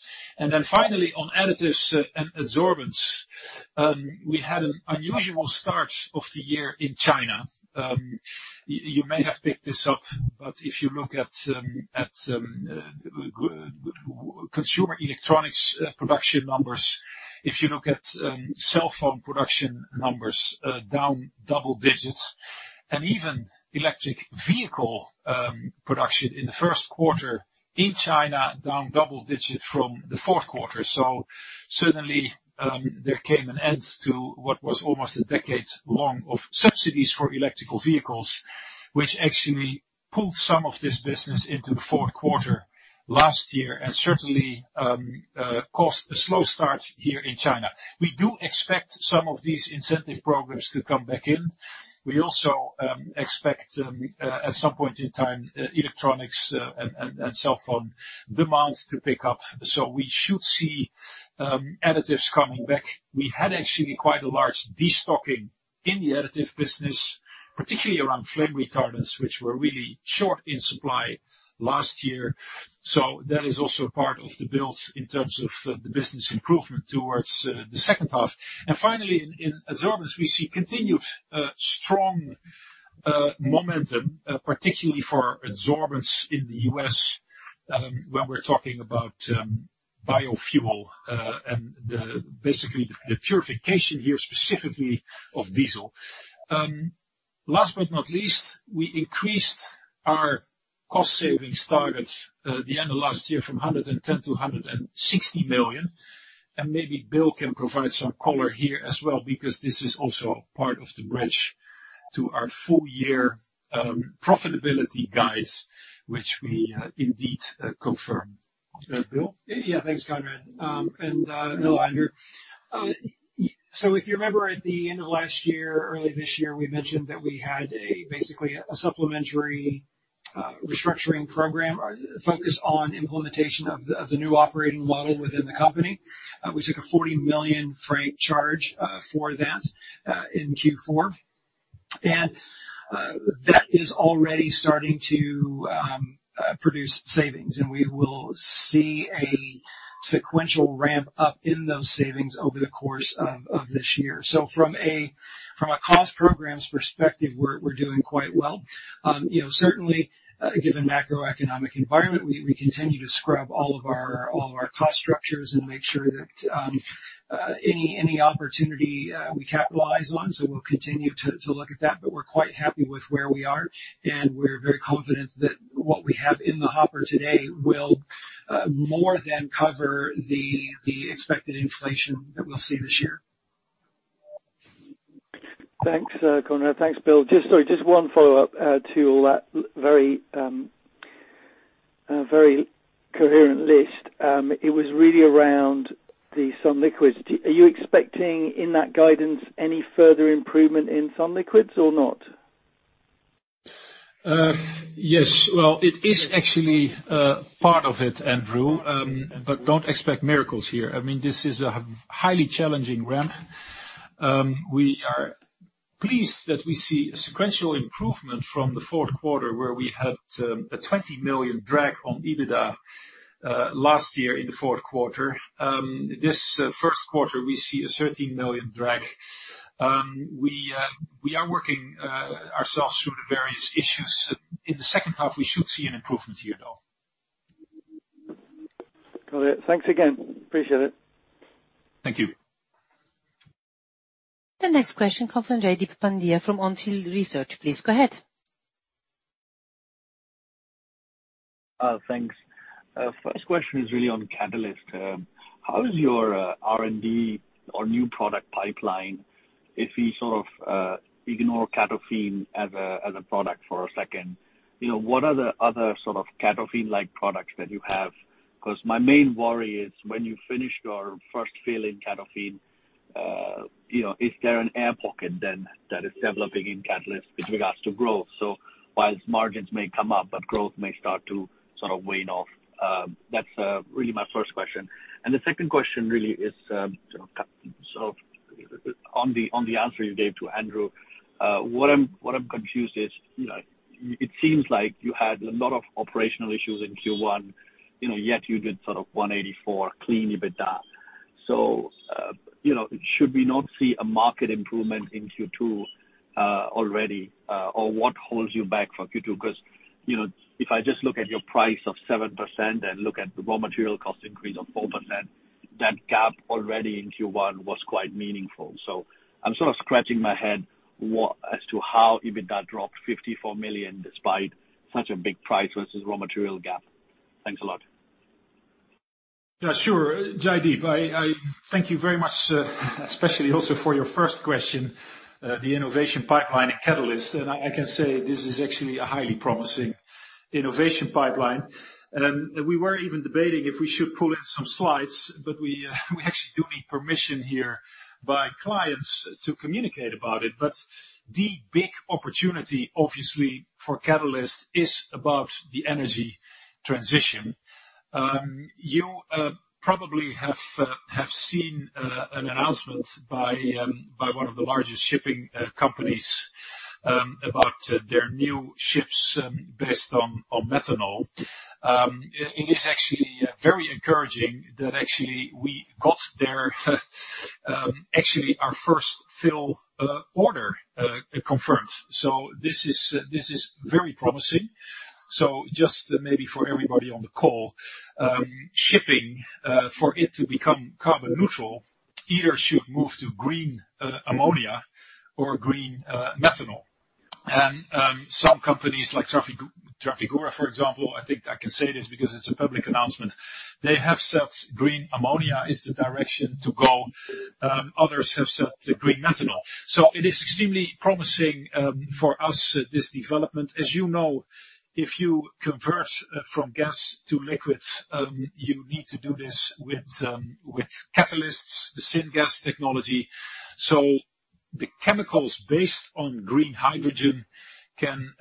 Finally on Additives and Adsorbents, we had an unusual start of the year in China. You may have picked this up, but if you look at consumer electronics production numbers, if you look at cell phone production numbers, down double digits, and even electric vehicle production in the first quarter in China down double digits from the fourth quarter. Certainly, there came an end to what was almost a decade long of subsidies for electrical vehicles, which actually pulled some of this business into the fourth quarter last year and certainly caused a slow start here in China. We do expect some of these incentive programs to come back in. Also, we expect at some point in time, electronics and cell phone demands to pick up. We should see Additives coming back. We had actually quite a large destocking in the Additives business, particularly around flame retardants, which were really short in supply last year. That is also part of the build in terms of the business improvement towards the second half. Finally, in Adsorbents, we see continued strong momentum, particularly for Adsorbents in the U.S., when we're talking about biofuel and basically the purification here specifically of diesel. Last but not least, we increased our cost savings targets the end of last year from 110 million to 160 million. Maybe Bill can provide some color here as well, because this is also part of the bridge to our full year profitability guides, which we indeed confirm. Bill? Yeah. Thanks, Conrad. Hello, Andrew. So if you remember at the end of last year, early this year, we mentioned that we had a, basically a supplementary restructuring program focused on implementation of the new operating model within the company. We took a 40 million franc charge for that in Q4. That is already starting to produce savings, and we will see a sequential ramp up in those savings over the course of this year. From a cost programs perspective, we're doing quite well. You know, certainly, given macroeconomic environment, we continue to scrub all of our cost structures and make sure that any opportunity we capitalize on. We'll continue to look at that. We're quite happy with where we are and we're very confident that what we have in the hopper today will more than cover the expected inflation that we'll see this year. Thanks, Conrad. Thanks, Bill. Sorry, just one follow-up to all that very coherent list. It was really around the sunliquid. Are you expecting in that guidance any further improvement in sunliquid or not? Yes. Well, it is actually part of it, Andrew, but don't expect miracles here. I mean, this is a highly challenging ramp. We are pleased that we see a sequential improvement from the fourth quarter, where we had a 20 million drag on EBITDA last year in the fourth quarter. This first quarter, we see a 13 million drag. We are working ourselves through the various issues. In the second half, we should see an improvement here, though. Got it. Thanks again. Appreciate it. Thank you. The next question comes from Jaideep Pandya from On Field Research. Please go ahead. Thanks. First question is really on catalyst. How is your R&D or new product pipeline if you sort of ignore CATOFIN as a product for a second? You know, what are the other sort of CATOFIN-like products that you have? 'Cause my main worry is when you finish your first fill in CATOFIN, you know, is there an air pocket then that is developing in CATOFIN with regards to growth? Whilst margins may come up, but growth may start to sort of wane off. That's really my first question. The second question really is sort of on the answer you gave to Andrew. What I'm confused is, you know, it seems like you had a lot of operational issues in Q1, you know, yet you did sort of 184 clean EBITDA. You know, should we not see a market improvement in Q2 already? What holds you back for Q2? 'Cause, you know, if I just look at your price of 7% and look at the raw material cost increase of 4%, that gap already in Q1 was quite meaningful. I'm sort of scratching my head as to how EBITDA dropped 54 million despite such a big price versus raw material gap. Thanks a lot. Yeah, sure. Jaideep, I thank you very much, especially also for your first question, the innovation pipeline at Clariant. I can say this is actually a highly promising innovation pipeline. We were even debating if we should pull in some slides, but we actually do need permission here by clients to communicate about it. The big opportunity, obviously, for Clariant is about the energy transition. You probably have seen an announcement by one of the largest shipping companies about their new ships based on methanol. It is actually very encouraging that actually we got their actually our first fill order confirmed. This is very promising. Just maybe for everybody on the call, shipping, for it to become carbon neutral, either should move to green ammonia or green methanol. Some companies like Trafigura, for example, I think I can say this because it's a public announcement, they have said green ammonia is the direction to go. Others have said green methanol. It is extremely promising for us, this development. As you know, if you convert from gas to liquids, you need to do this with catalysts, the syngas technology. The chemicals based on green hydrogen can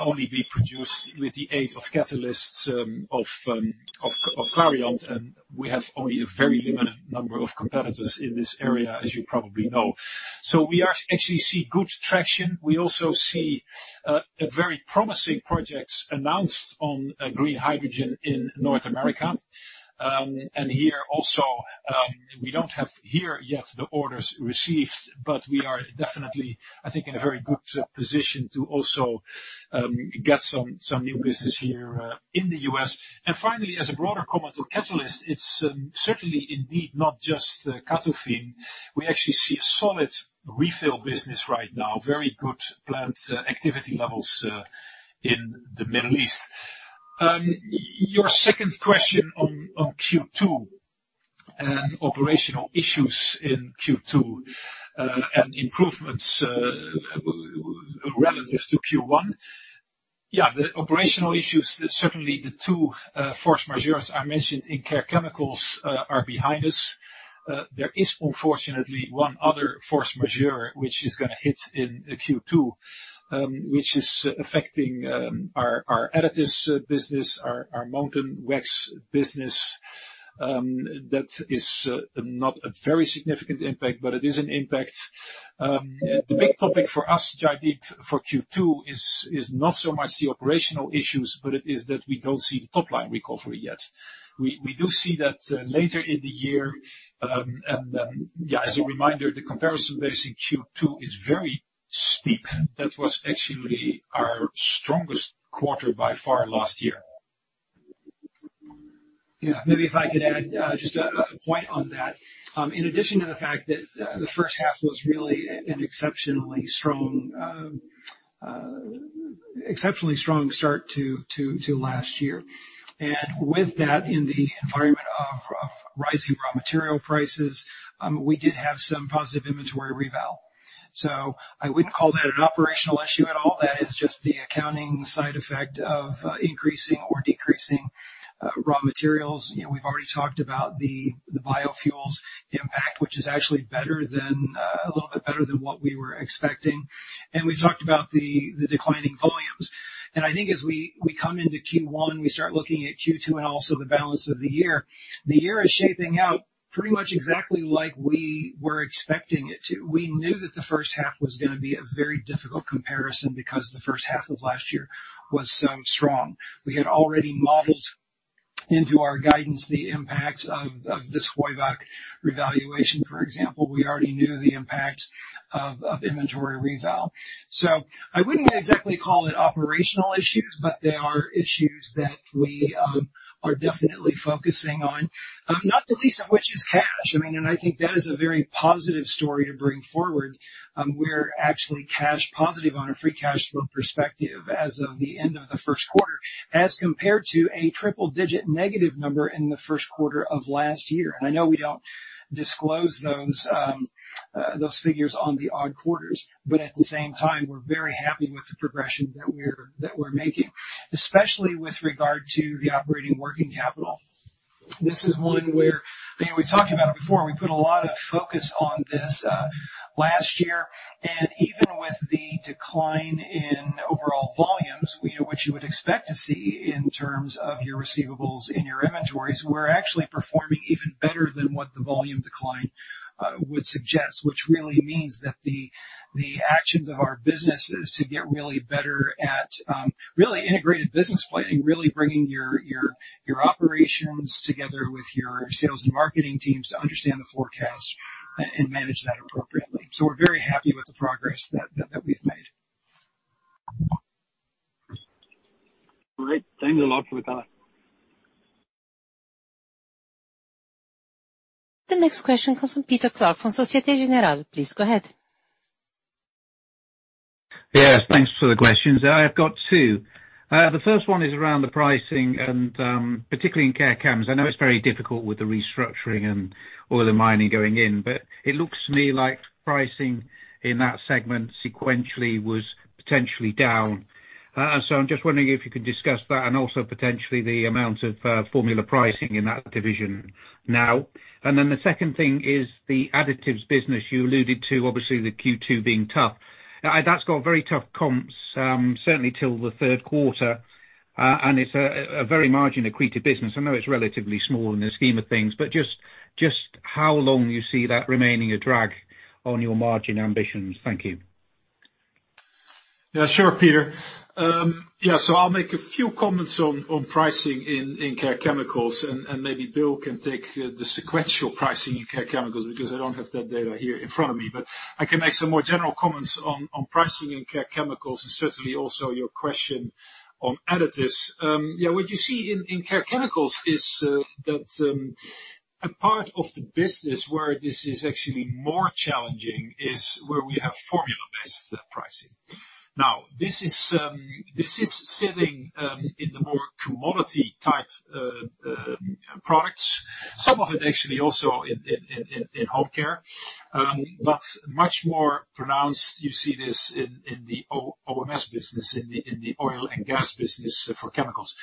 only be produced with the aid of catalysts, of Clariant, and we have only a very limited number of competitors in this area, as you probably know. We actually see good traction. We also see a very promising projects announced on green hydrogen in North America. Here also, we don't have here yet the orders received, but we are definitely, I think, in a very good position to also get some new business here in the U.S. Finally, as a broader comment on Catalysts, it's certainly indeed not just Catalysts. We actually see a solid refill business right now, very good plant activity levels in the Middle East. Your second question on Q2 and operational issues in Q2, and improvements relative to Q1. Yeah, the operational issues, certainly the two force majeures I mentioned in Care Chemicals, are behind us. There is unfortunately one other force majeure which is gonna hit in Q2, which is affecting our additives business, our montan wax business. That is not a very significant impact, but it is an impact. The big topic for us, Jaideep, for Q2 is not so much the operational issues, but it is that we don't see the top line recovery yet. We do see that later in the year. Yeah, as a reminder, the comparison base in Q2 is very steep. That was actually our strongest quarter by far last year. Yeah. Maybe if I could add, just a point on that. In addition to the fact that, the first half was really an exceptionally strong, exceptionally strong start to last year. With that in the environment of- Rising raw material prices. We did have some positive inventory reval. I wouldn't call that an operational issue at all. That is just the accounting side effect of increasing or decreasing raw materials. You know, we've already talked about the biofuels impact, which is actually better than a little bit better than what we were expecting. We've talked about the declining volumes. I think as we come into Q1, we start looking at Q2 and also the balance of the year. The year is shaping out pretty much exactly like we were expecting it to. We knew that the first half was gonna be a very difficult comparison because the first half of last year was so strong. We had already modeled into our guidance the impacts of this Heubach Group revaluation, for example. We already knew the impacts of inventory reval. I wouldn't exactly call it operational issues, but they are issues that we are definitely focusing on. Not the least of which is cash. I mean, and I think that is a very positive story to bring forward. We're actually cash positive on a free cash flow perspective as of the end of the first quarter, as compared to a triple-digit negative number in the first quarter of last year. I know we don't disclose those figures on the odd quarters, but at the same time, we're very happy with the progression that we're making, especially with regard to the operating working capital. This is one where. I mean, we talked about it before. We put a lot of focus on this last year. Even with the decline in overall volumes, you know, which you would expect to see in terms of your receivables in your inventories, we're actually performing even better than what the volume decline would suggest, which really means that the actions of our businesses to get really better at really integrated business planning, really bringing your operations together with your sales and marketing teams to understand the forecast and manage that appropriately. We're very happy with the progress that we've made. All right. Thanks a lot for the color. The next question comes from Peter Clark from Société Générale. Please go ahead. Yes, thanks for the questions. I have got two. The first one is around the pricing and particularly in Care Chemicals. I know it's very difficult with the restructuring and Oil Mining going in, but it looks to me like pricing in that segment sequentially was potentially down. I'm just wondering if you could discuss that and also potentially the amount of formula pricing in that division now. The second thing is the additives business you alluded to, obviously, the Q2 being tough. That's got very tough comps, certainly till the third quarter, it's a very margin accretive business. I know it's relatively small in the scheme of things, but just how long you see that remaining a drag on your margin ambitions. Thank you. Sure, Peter. So I'll make a few comments on pricing in Care Chemicals and maybe Bill can take the sequential pricing in Care Chemicals because I don't have that data here in front of me. I can make some more general comments on pricing in Care Chemicals and certainly also your question on Additives. What you see in Care Chemicals is that a part of the business where this is actually more challenging is where we have formula-based pricing. This is sitting in the more commodity type products. Some of it actually also in healthcare, but much more pronounced, you see this in the OMS business, in the oil and gas business for chemicals.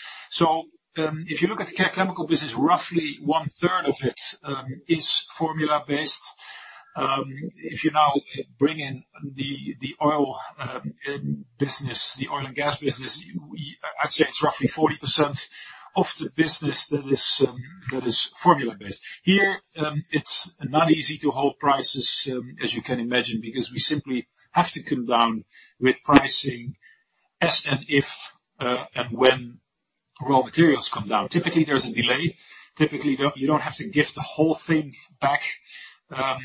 If you look at the Care Chemicals business, roughly 1/3 of it is formula based. If you now bring in the oil business, the oil and gas business, I'd say it's roughly 40% of the business that is formula based. It's not easy to hold prices, as you can imagine, because we simply have to come down with pricing as and if and when raw materials come down. Typically, there's a delay. Typically, you don't have to give the whole thing back. Here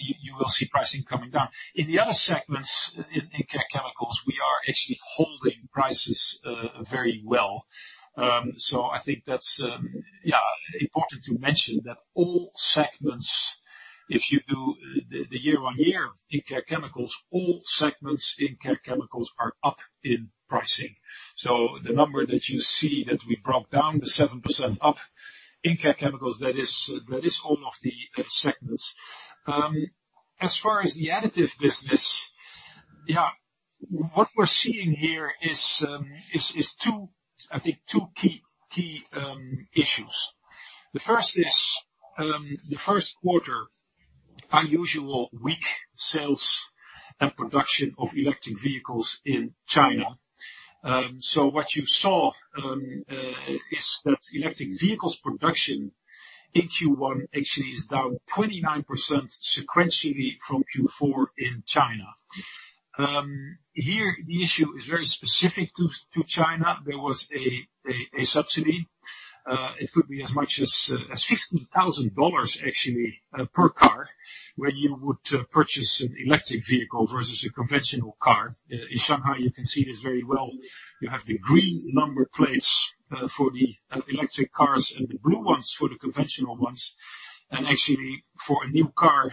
you will see pricing coming down. In the other segments in Care Chemicals, we are actually holding prices very well. I think that's important to mention that all segments, if you do the YoY in Care Chemicals, all segments in Care Chemicals are up in pricing. The number that you see that we brought down the 7% up in Care Chemicals, that is all of the segments. As far as the additive business, yeah, what we're seeing here is two, I think two key issues. The first is the first quarter unusual weak sales and production of electric vehicles in China. What you saw is that electric vehicles production in Q1 actually is down 29% sequentially from Q4 in China. Here the issue is very specific to China. There was a subsidy. It could be as much as $50,000 actually per car, where you would purchase an electric vehicle versus a conventional car. In Shanghai, you can see this very well. You have the green number plates for the electric cars and the blue ones for the conventional ones. Actually for a new car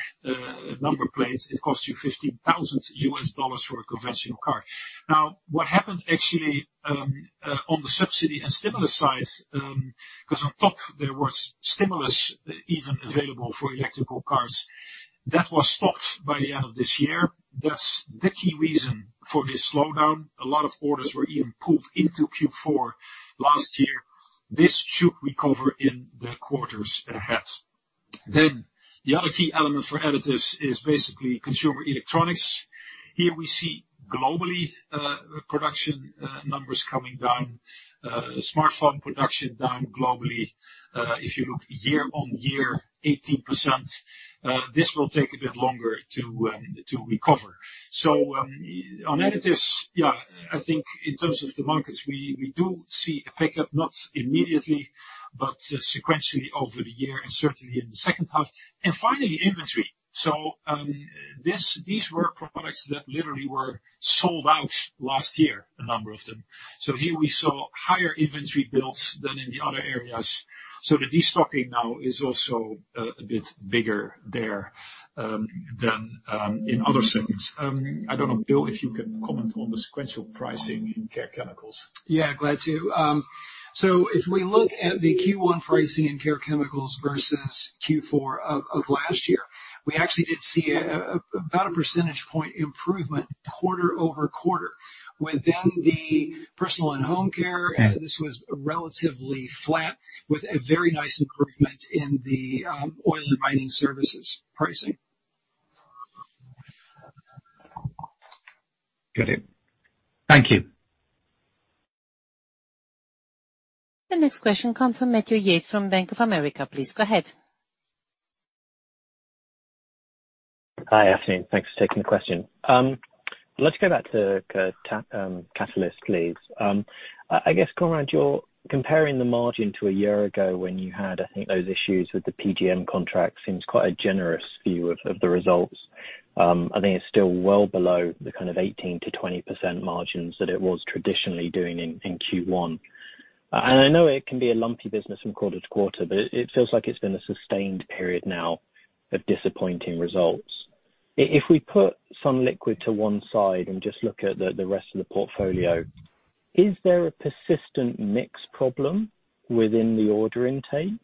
number plate, it costs you $15,000 for a conventional car. Now, what happened actually on the subsidy and stimulus side, because on top there was stimulus even available for electrical cars. That was stopped by the end of this year. That's the key reason for this slowdown. A lot of orders were even pulled into Q4 last year. This should recover in the quarters ahead. The other key element for additives is basically consumer electronics. Here we see globally, production, numbers coming down, smartphone production down globally, if you look YoY 18%. This will take a bit longer to recover. On additives, yeah, I think in terms of the markets, we do see a pickup, not immediately, but sequentially over the year and certainly in the second half. Finally, inventory. These were products that literally were sold out last year, a number of them. Here we saw higher inventory builds than in the other areas. The destocking now is also a bit bigger there than in other segments. I don't know, Bill, if you can comment on the sequential pricing in Care Chemicals. Yeah, glad to. If we look at the Q1 pricing in Care Chemicals versus Q4 of last year, we actually did see about a percentage point improvement QoQ. Within the personal and home care, this was relatively flat with a very nice improvement in the Oil and Mining Services pricing. Got it. Thank you. The next question comes from Matthew Yates from Bank of America. Please go ahead. Hi. Afternoon. Thanks for taking the question. Let's go back to Catalysts, please. I guess, Conrad, you're comparing the margin to a year ago when you had, I think, those issues with the PGM contract seems quite a generous view of the results. I think it's still well below the kind of 18%-20% margins that it was traditionally doing in Q1. I know it can be a lumpy business from quarter to quarter, but it feels like it's been a sustained period now of disappointing results. If we put sunliquid to one side and just look at the rest of the portfolio, is there a persistent mix problem within the order intake,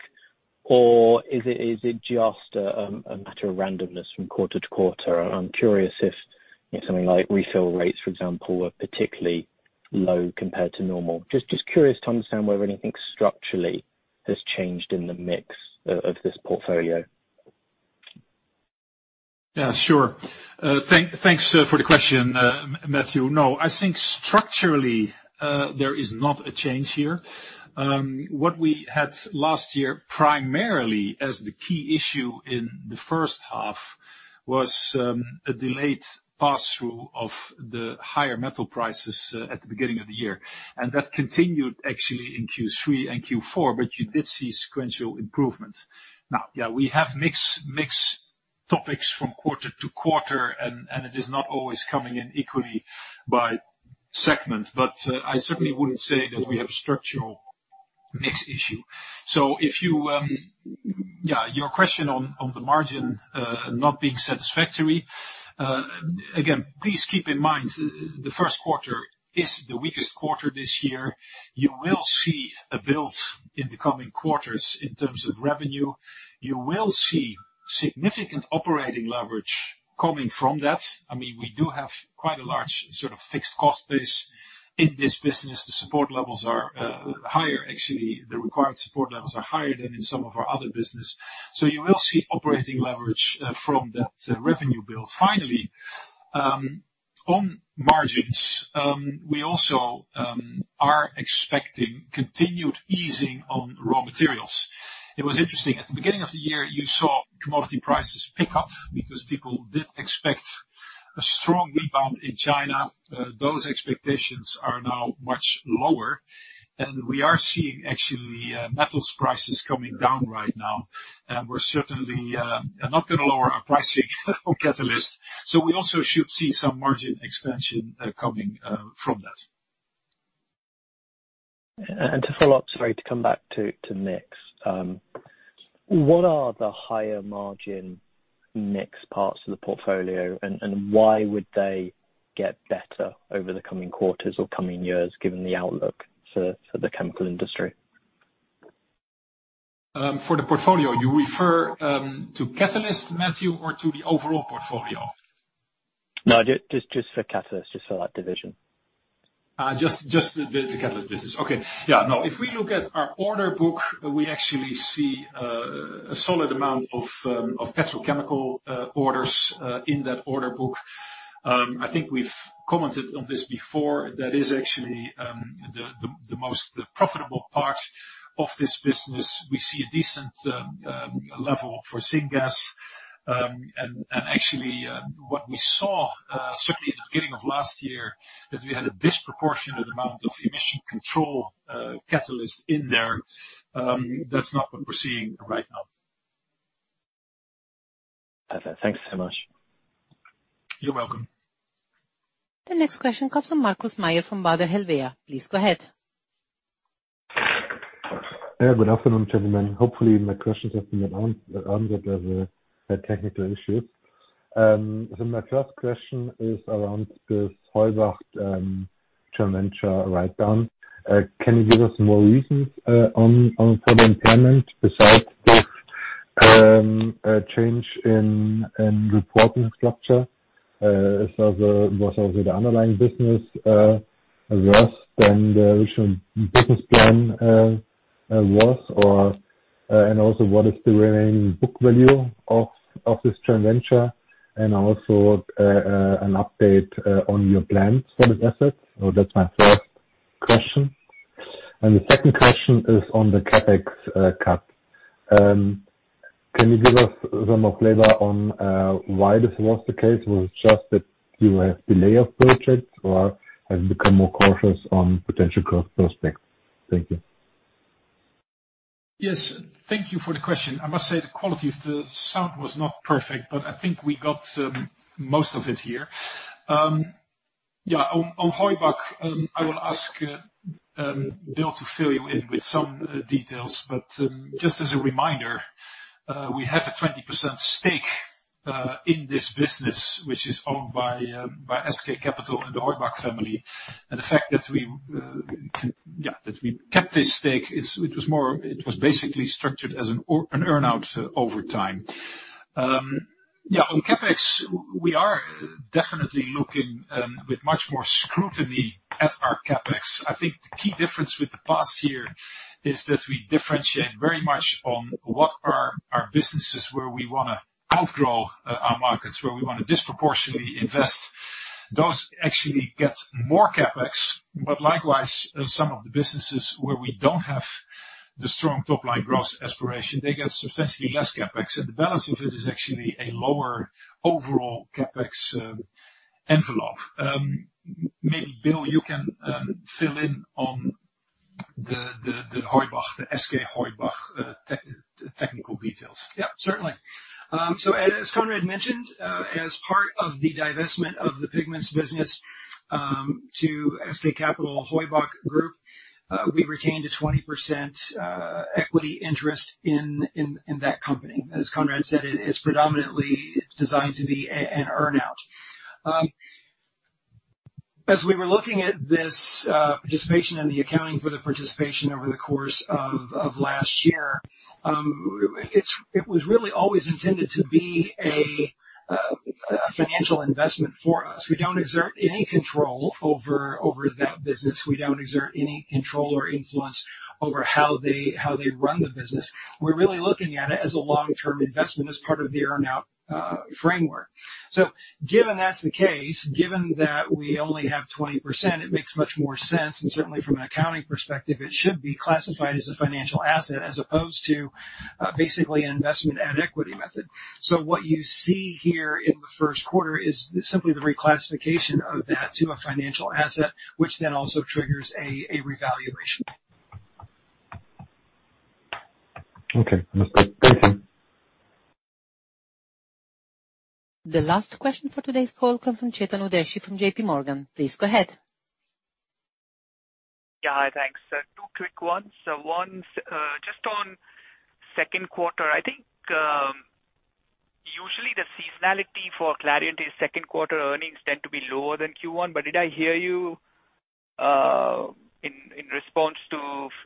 or is it just a matter of randomness from quarter to quarter? I'm curious if something like refill rates, for example, are particularly low compared to normal. Just curious to understand whether anything structurally has changed in the mix of this portfolio. Yeah, sure. Thanks for the question, Matthew. No, I think structurally, there is not a change here. What we had last year, primarily as the key issue in the first half was a delayed passthrough of the higher metal prices at the beginning of the year. That continued actually in Q3 and Q4, but you did see sequential improvement. Now, yeah, we have mix topics from quarter to quarter, and it is not always coming in equally by segment. I certainly wouldn't say that we have a structural mix issue. If you, yeah, your question on the margin, not being satisfactory. Again, please keep in mind, the first quarter is the weakest quarter this year. You will see a build in the coming quarters in terms of revenue. You will see significant operating leverage coming from that. I mean, we do have quite a large sort of fixed cost base in this business. The support levels are higher. Actually, the required support levels are higher than in some of our other business. You will see operating leverage from that revenue build. Finally, on margins, we also are expecting continued easing on raw materials. It was interesting. At the beginning of the year, you saw commodity prices pick up because people did expect a strong rebound in China. Those expectations are now much lower, and we are seeing actually metals prices coming down right now. We're certainly, are not gonna lower our pricing on Catalysts, so we also should see some margin expansion coming from that. To follow up, sorry to come back to mix. What are the higher margin mix parts of the portfolio, and why would they get better over the coming quarters or coming years, given the outlook for the chemical industry? For the portfolio, you refer to Catalyst, Matthew, or to the overall portfolio? No, just for Catalyst, just for that division. Just the Catalysts business. Okay. Yeah. If we look at our order book, we actually see a solid amount of petrochemical orders in that order book. I think we've commented on this before. That is actually the most profitable part of this business. We see a decent level for syngas. Actually, what we saw certainly in the beginning of last year, that we had a disproportionate amount of emission control catalyst in there. That's not what we're seeing right now. Perfect. Thanks so much. You're welcome. The next question comes from Markus Mayer from Baader Helvea. Please go ahead. Good afternoon, gentlemen. Hopefully my questions have been answered as there were technical issues. My first question is around this joint venture write down. Can you give us more reasons on besides this change in reporting structure? Was also the underlying business worse than the original business plan or and also what is the remaining book value of this joint venture? Also an update on your plans for this asset. That's my first question. The second question is on the CapEx cut. Can you give us some more flavor on why this was the case? Was it just that you have delay of projects or have become more cautious on potential growth prospects? Thank you. Yes, thank you for the question. I must say the quality of the sound was not perfect, but I think we got most of it here. On Heubach, I will ask Bill to fill you in with some details. Just as a reminder, we have a 20% stake in this business, which is owned by SK Capital and the Heubach family. The fact that we kept this stake, it was basically structured as an earn-out over time. On CapEx, we are definitely looking with much more scrutiny at our CapEx. I think the key difference with the past year is that we differentiate very much on what are our businesses where we wanna outgrow our markets, where we wanna disproportionately invest. Those actually get more CapEx. Likewise, in some of the businesses where we don't have the strong top-line growth aspiration, they get substantially less CapEx. The balance of it is actually a lower overall CapEx envelope. Maybe Bill, you can fill in on the Heubach, the SK Heubach, technical details. Yeah, certainly. As Conrad mentioned, as part of the divestment of the Pigments business, to SK Capital Heubach Group, we retained a 20% equity interest in that company. As Conrad said, it is predominantly designed to be an earn-out. As we were looking at this participation and the accounting for the participation over the course of last year, it was really always intended to be a financial investment for us. We don't exert any control over that business. We don't exert any control or influence over how they run the business. We're really looking at it as a long-term investment as part of the earn-out framework. Given that's the case, given that we only have 20%, it makes much more sense, and certainly from an accounting perspective, it should be classified as a financial asset as opposed to, basically an investment and equity method. What you see here in the first quarter is simply the reclassification of that to a financial asset, which then also triggers a revaluation. Okay. Understood. Thank you. The last question for today's call comes from Chetan Udeshi from JPMorgan Chase & Co. Please go ahead. Hi. Thanks. Two quick ones. One's just on second quarter. I think, usually the seasonality for Clariant's second quarter earnings tend to be lower than Q1. Did I hear you in response to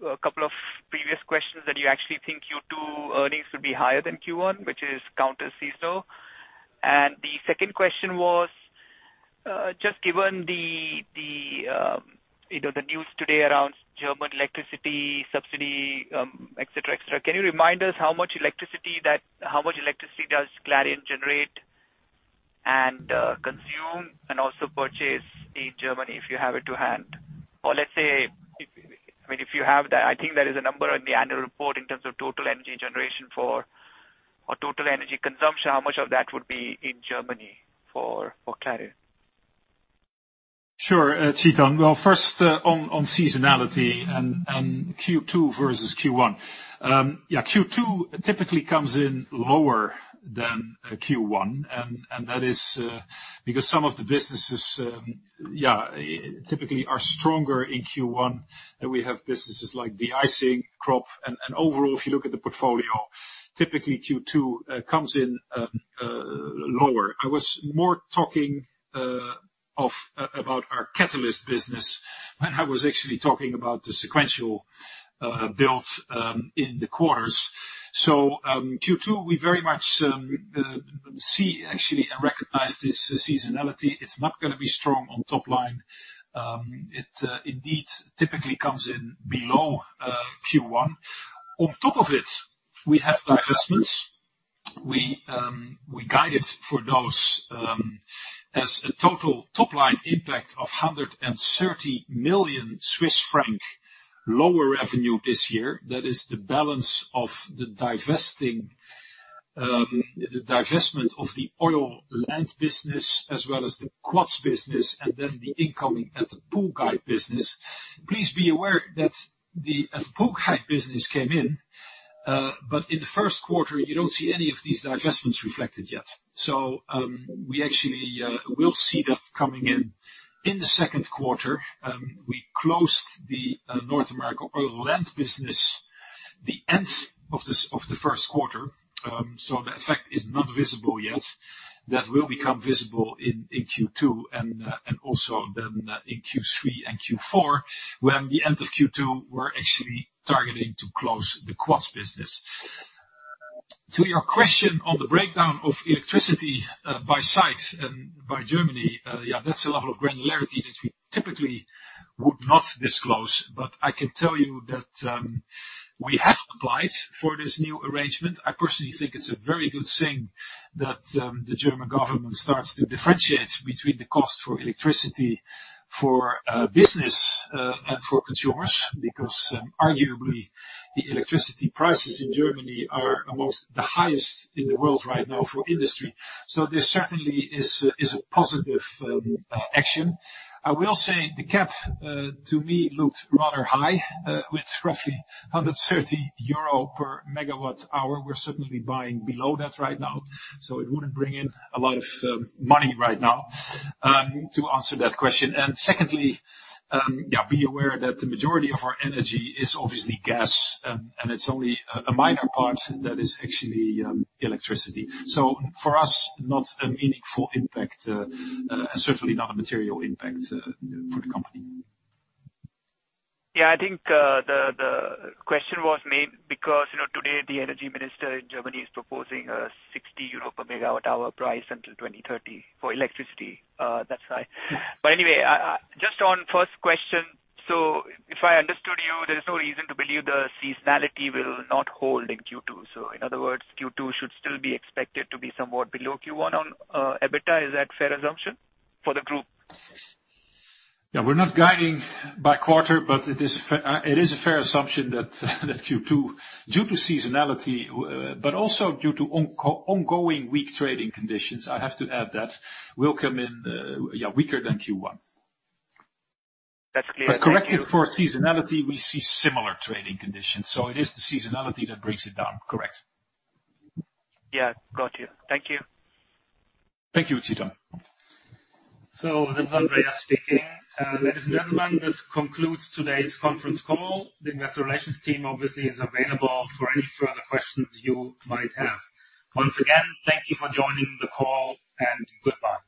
a couple of previous questions that you actually think Q2 earnings would be higher than Q1, which is counter-seasonal? The second question was, just given the, you know, the news today around German electricity subsidy, et cetera, can you remind us how much electricity does Clariant generate and consume and also purchase in Germany, if you have it to hand? Let's say, if, I mean, if you have that, I think there is a number in the annual report in terms of total energy generation for or total energy consumption, how much of that would be in Germany for Clariant? Sure, Chetan. Well, first, on seasonality and Q2 versus Q1. Yeah, Q2 typically comes in lower than Q1, and that is because some of the businesses, yeah, typically are stronger in Q1, and we have businesses like de-icing crop. Overall, if you look at the portfolio, typically Q2 comes in lower. I was more talking about our catalyst business when I was actually talking about the sequential build in the quarters. Q2, we very much see actually and recognize this seasonality. It's not gonna be strong on top line. It indeed typically comes in below Q1. On top of it, we have divestments. We guided for those as a total top-line impact of 130 million Swiss franc lower revenue this year. That is the balance of the divesting, the divestment of the oil and business, as well as the Quats business, and then the incoming attapulgite business. Please be aware that the attapulgite business came in. In the first quarter, you don't see any of these divestments reflected yet. We actually will see that coming in in the second quarter. We closed the North American Land Oil business the end of the first quarter, the effect is not visible yet. That will become visible in Q2 and also then in Q3 and Q4, when the end of Q2, we're actually targeting to close the Quats business. To your question on the breakdown of electricity by sites and by Germany, yeah, that's a level of granularity that we typically would not disclose. I can tell you that we have applied for this new arrangement. I personally think it's a very good thing that the German government starts to differentiate between the cost for electricity for business and for consumers, because arguably, the electricity prices in Germany are amongst the highest in the world right now for industry. This certainly is a positive action. I will say the cap to me looked rather high with roughly 130 euro per megawatt hour. We're certainly buying below that right now, it wouldn't bring in a lot of money right now to answer that question. Secondly, be aware that the majority of our energy is obviously gas, and it's only a minor part that is actually electricity. For us, not a meaningful impact, certainly not a material impact for the company. Yeah, I think, the question was made because, you know, today the energy minister in Germany is proposing a 60 euro per megawatt hour price until 2030 for electricity. That's high. Anyway, Just on first question. If I understood you, there is no reason to believe the seasonality will not hold in Q2. In other words, Q2 should still be expected to be somewhat below Q1 on EBITDA. Is that fair assumption for the group? Yeah. We're not guiding by quarter. It is a fair assumption that Q2, due to seasonality, but also due to ongoing weak trading conditions, I have to add that, will come in, yeah, weaker than Q1. That's clear. Thank you. Corrected for seasonality, we see similar trading conditions. It is the seasonality that brings it down, correct. Yeah, got you. Thank you. Thank you, Chetan. This is Andreas speaking. Ladies and gentlemen, this concludes today's conference call. The investor relations team obviously is available for any further questions you might have. Once again, thank you for joining the call, and goodbye.